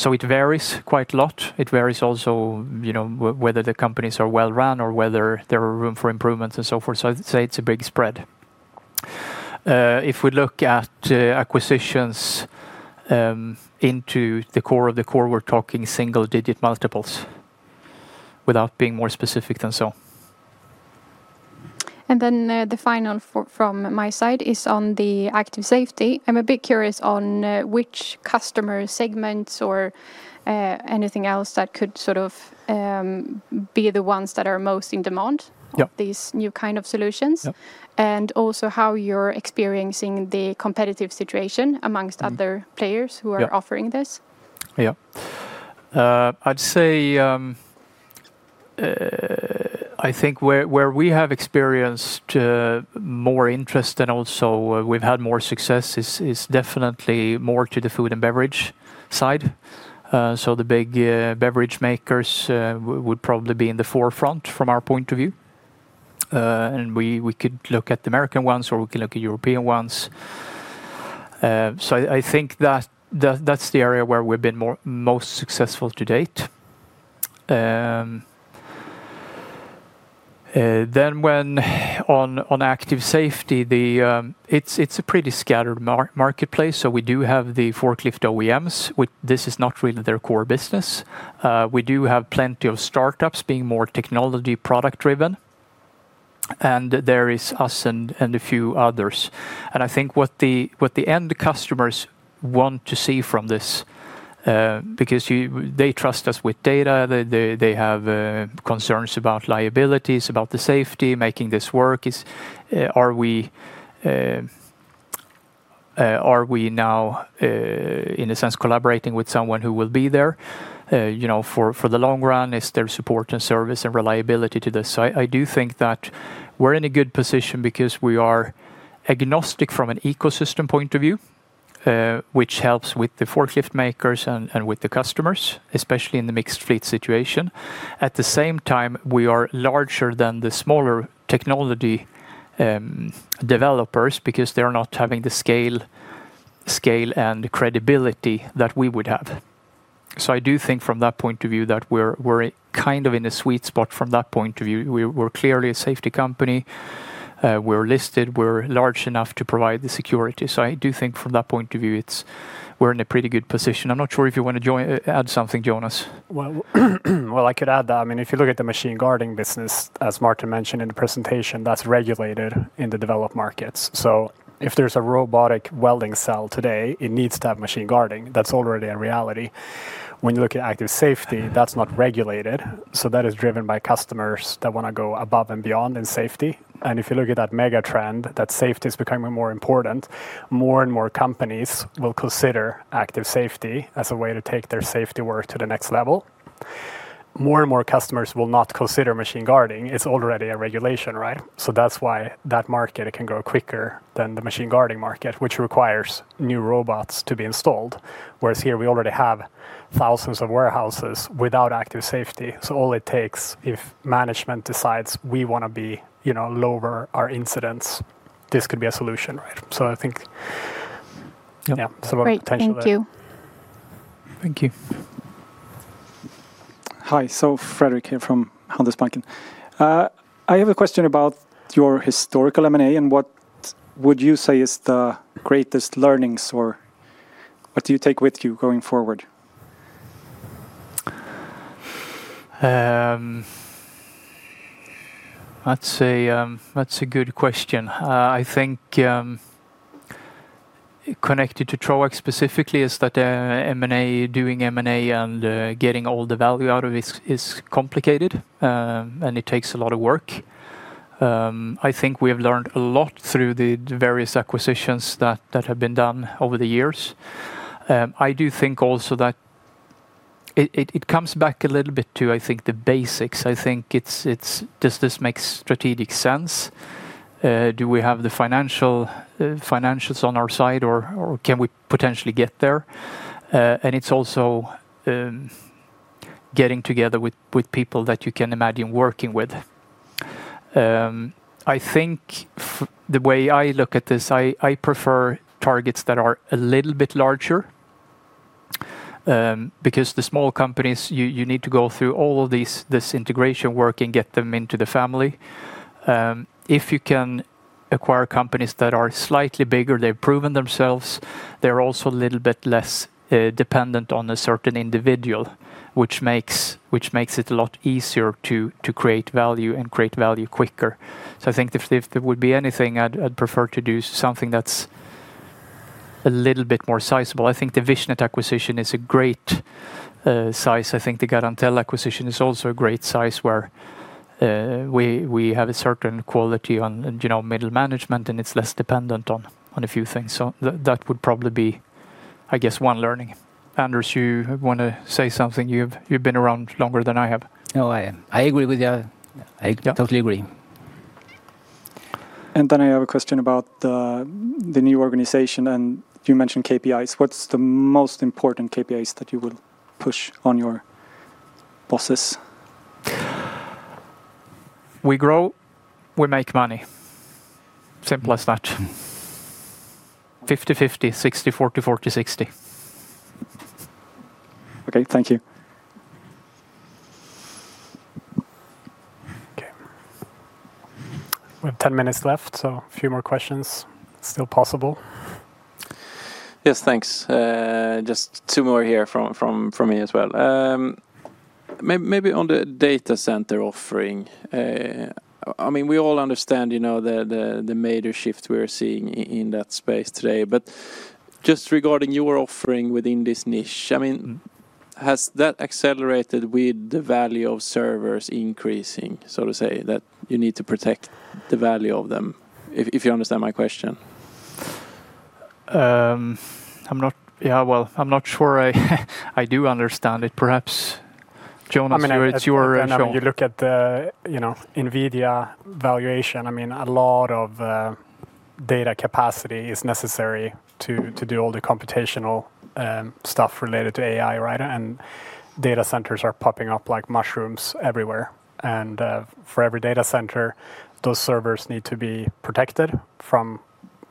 It varies quite a lot. It varies also whether the companies are well run or whether there is room for improvements and so forth. I'd say it's a big spread. If we look at acquisitions into the core of the core, we're talking single-digit multiples without being more specific than that. The final from my side is on the active safety. I'm a bit curious on which customer segments or anything else that could sort of be the ones that are most in demand for these new kinds of solutions, and also how you're experiencing the competitive situation amongst other players who are offering this. I'd say I think where we have experienced more interest and also we've had more success is definitely more to the food and beverage side. The big beverage makers would probably be in the forefront from our point of view. We could look at the American ones or we can look at European ones. I think that's the area where we've been most successful to date. When on active safety, it's a pretty scattered marketplace. We do have the forklift OEMs, which this is not really their core business. We do have plenty of startups being more technology product-driven. There is us and a few others. I think what the end customers want to see from this, because they trust us with data, they have concerns about liabilities, about the safety, making this work, are we now in a sense collaborating with someone who will be there for the long run? Is there support and service and reliability to this? I do think that we're in a good position because we are agnostic from an ecosystem point of view, which helps with the forklift makers and with the customers, especially in the mixed fleet situation. At the same time, we are larger than the smaller technology developers because they're not having the scale and credibility that we would have. I do think from that point of view that we're kind of in a sweet spot from that point of view. We're clearly a safety company. We're listed. We're large enough to provide the security. I do think from that point of view, we're in a pretty good position. I'm not sure if you want to add something, Jonas. I could add that. I mean, if you look at the machine guarding business, as Martin mentioned in the presentation, that's regulated in the developed markets. If there's a robotic welding cell today, it needs to have machine guarding. That's already a reality. When you look at active safety, that's not regulated. That is driven by customers that want to go above and beyond in safety. If you look at that megatrend, that safety is becoming more important, more and more companies will consider active safety as a way to take their safety work to the next level. More and more customers will not consider machine guarding. It's already a regulation, right? That's why that market can grow quicker than the machine guarding market, which requires new robots to be installed. Whereas here, we already have thousands of warehouses without active safety. All it takes, if management decides we want to lower our incidents, this could be a solution, right? I think, yeah, so potentially. Thank you. Thank you. Hi, so Fredrik here from Handelsbanken. I have a question about your historical M&A and what would you say is the greatest learnings or what do you take with you going forward? That's a good question. I think connected to Troax specifically is that doing M&A and getting all the value out of it is complicated and it takes a lot of work. I think we have learned a lot through the various acquisitions that have been done over the years. I do think also that it comes back a little bit to, I think, the basics. I think does this make strategic sense? Do we have the financials on our side or can we potentially get there? It is also getting together with people that you can imagine working with. I think the way I look at this, I prefer targets that are a little bit larger because the small companies, you need to go through all of this integration work and get them into the family. If you can acquire companies that are slightly bigger, they've proven themselves, they're also a little bit less dependent on a certain individual, which makes it a lot easier to create value and create value quicker. I think if there would be anything, I'd prefer to do something that's a little bit more sizable. I think the Vichnet acquisition is a great size. I think the Garantell acquisition is also a great size where we have a certain quality on middle management and it's less dependent on a few things. That would probably be, I guess, one learning. Andrew, do you want to say something? You've been around longer than I have. Oh, I am. I agree with you. I totally agree. I have a question about the new organization and you mentioned KPIs. What's the most important KPIs that you will push on your bosses? We grow, we make money. Simple as that. 50-50, 60-40, 40-60. Thank you. We have 10 minutes left, so a few more questions. Still possible. Yes, thanks. Just two more here from me as well. Maybe on the data center offering. I mean, we all understand the major shift we're seeing in that space today, but just regarding your offering within this niche, I mean, has that accelerated with the value of servers increasing, so to say, that you need to protect the value of them, if you understand my question? I'm not sure I do understand it. Perhaps, Jonas, it's your. I mean, you look at NVIDIA valuation. I mean, a lot of data capacity is necessary to do all the computational stuff related to AI, right? Data centers are popping up like mushrooms everywhere. For every data center, those servers need to be protected from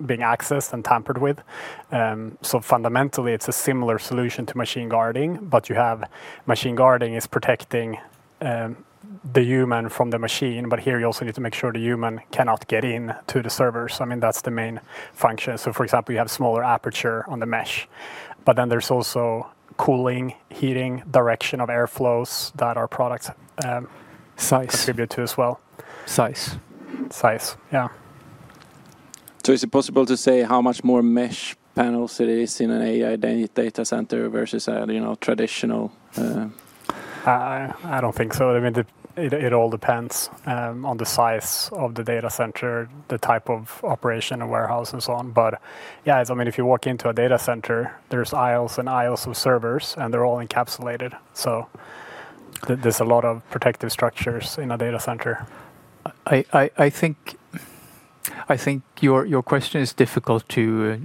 being accessed and tampered with. Fundamentally, it's a similar solution to machine guarding, but you have machine guarding is protecting the human from the machine, but here you also need to make sure the human cannot get in to the server. I mean, that's the main function. For example, you have smaller aperture on the mesh, but then there's also cooling, heating, direction of airflows that our products contribute to as well. Size. Size, yeah. Is it possible to say how much more mesh panels it is in an AI data center versus a traditional? I don't think so. I mean, it all depends on the size of the data center, the type of operation and warehouse and so on. Yeah, I mean, if you walk into a data center, there are aisles and aisles of servers and they are all encapsulated. There are a lot of protective structures in a data center. I think your question is difficult to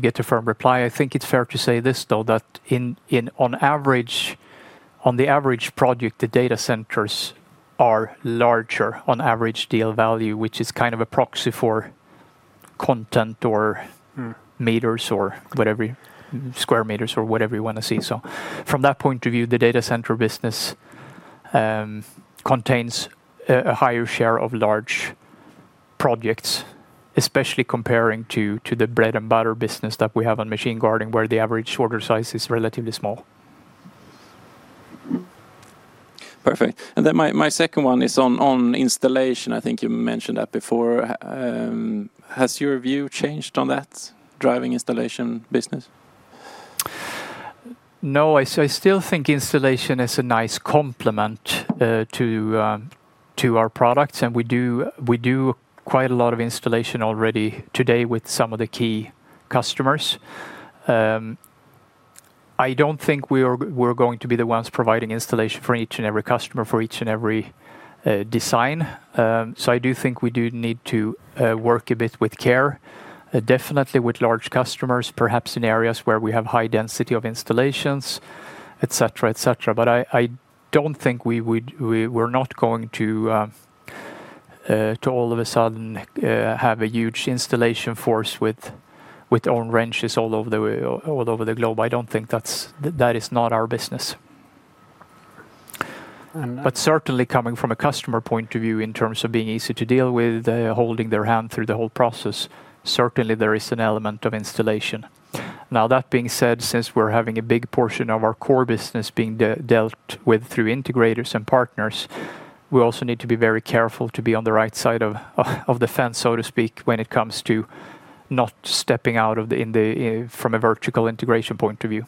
get a firm reply. I think it is fair to say this though, that on average, on the average project, the data centers are larger on average deal value, which is kind of a proxy for content or meters or whatever, square meters or whatever you want to see. From that point of view, the data center business contains a higher share of large projects, especially comparing to the bread and butter business that we have on machine guarding where the average order size is relatively small. Perfect. My second one is on installation. I think you mentioned that before. Has your view changed on that driving installation business? No, I still think installation is a nice complement to our products and we do quite a lot of installation already today with some of the key customers. I do not think we are going to be the ones providing installation for each and every customer, for each and every design. I do think we do need to work a bit with care, definitely with large customers, perhaps in areas where we have high density of installations, etc., etc. I don't think we're not going to, to all of a sudden, have a huge installation force with own wrenches all over the globe. I don't think that is not our business. Certainly, coming from a customer point of view in terms of being easy to deal with, holding their hand through the whole process, certainly there is an element of installation. Now, that being said, since we're having a big portion of our core business being dealt with through integrators and partners, we also need to be very careful to be on the right side of the fence, so to speak, when it comes to not stepping out from a vertical integration point of view.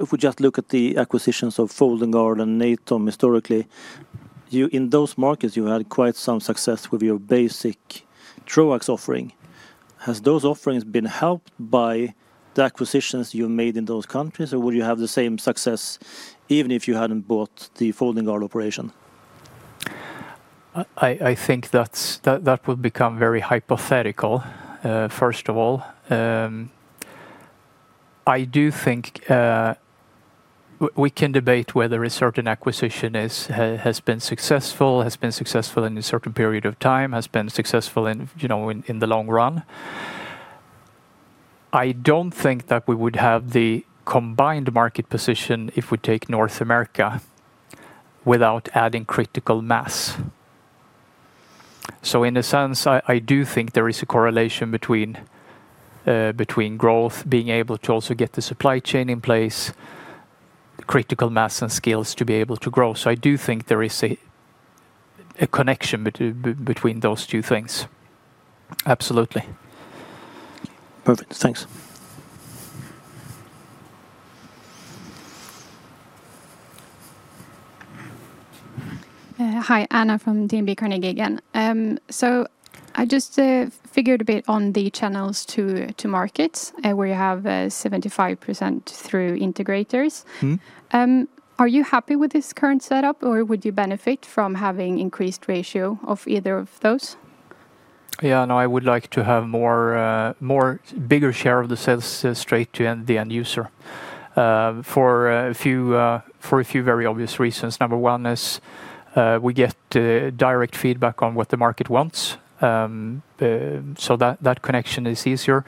If we just look at the acquisitions of Garantell and Natom historically, in those markets, you had quite some success with your basic Troax offering. Has those offerings been helped by the acquisitions you made in those countries or would you have the same success even if you hadn't bought the Folding Guard operation? I think that would become very hypothetical, first of all. I do think we can debate whether a certain acquisition has been successful, has been successful in a certain period of time, has been successful in the long run. I don't think that we would have the combined market position if we take North America without adding critical mass. In a sense, I do think there is a correlation between growth, being able to also get the supply chain in place, critical mass and skills to be able to grow. I do think there is a connection between those two things. Absolutely. Perfect. Thanks. Hi, Anna from DNB Carnegie again. I just figured a bit on the channels to markets where you have 75% through integrators. Are you happy with this current setup or would you benefit from having increased ratio of either of those? Yeah, no, I would like to have a bigger share of the sales straight to the end user for a few very obvious reasons. Number one is we get direct feedback on what the market wants. That connection is easier.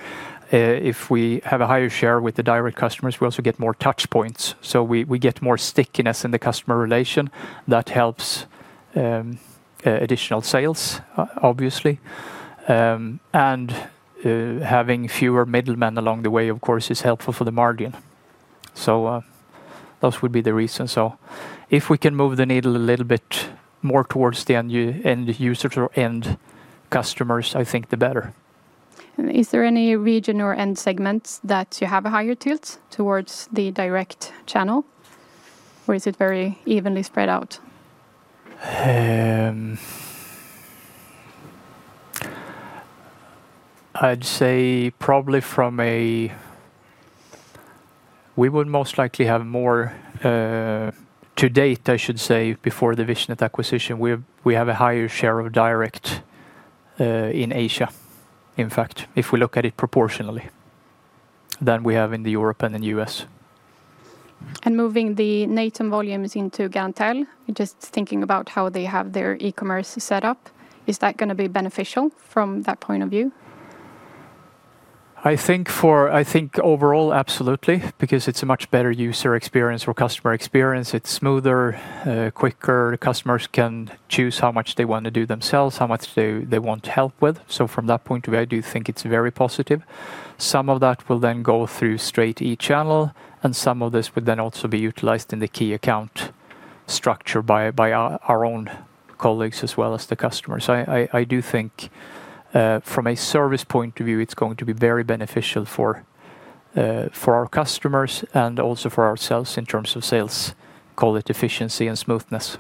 If we have a higher share with the direct customers, we also get more touchpoints. We get more stickiness in the customer relation that helps additional sales, obviously. Having fewer middlemen along the way, of course, is helpful for the margin. Those would be the reasons. If we can move the needle a little bit more towards the end users or end customers, I think the better. Is there any region or end segment that you have a higher tilt towards the direct channel or is it very evenly spread out? I'd say probably from a, we would most likely have more to date, I should say, before the Vichnet acquisition, we have a higher share of direct in Asia. In fact, if we look at it proportionally, than we have in Europe and the U.S. Moving the Natom volumes into Garantell, just thinking about how they have their e-commerce setup, is that going to be beneficial from that point of view? I think overall, absolutely, because it's a much better user experience or customer experience. It's smoother, quicker. The customers can choose how much they want to do themselves, how much they want help with. From that point of view, I do think it's very positive. Some of that will then go through straight e-channel and some of this would then also be utilized in the key account structure by our own colleagues as well as the customers. I do think from a service point of view, it's going to be very beneficial for our customers and also for ourselves in terms of sales, call it efficiency and smoothness.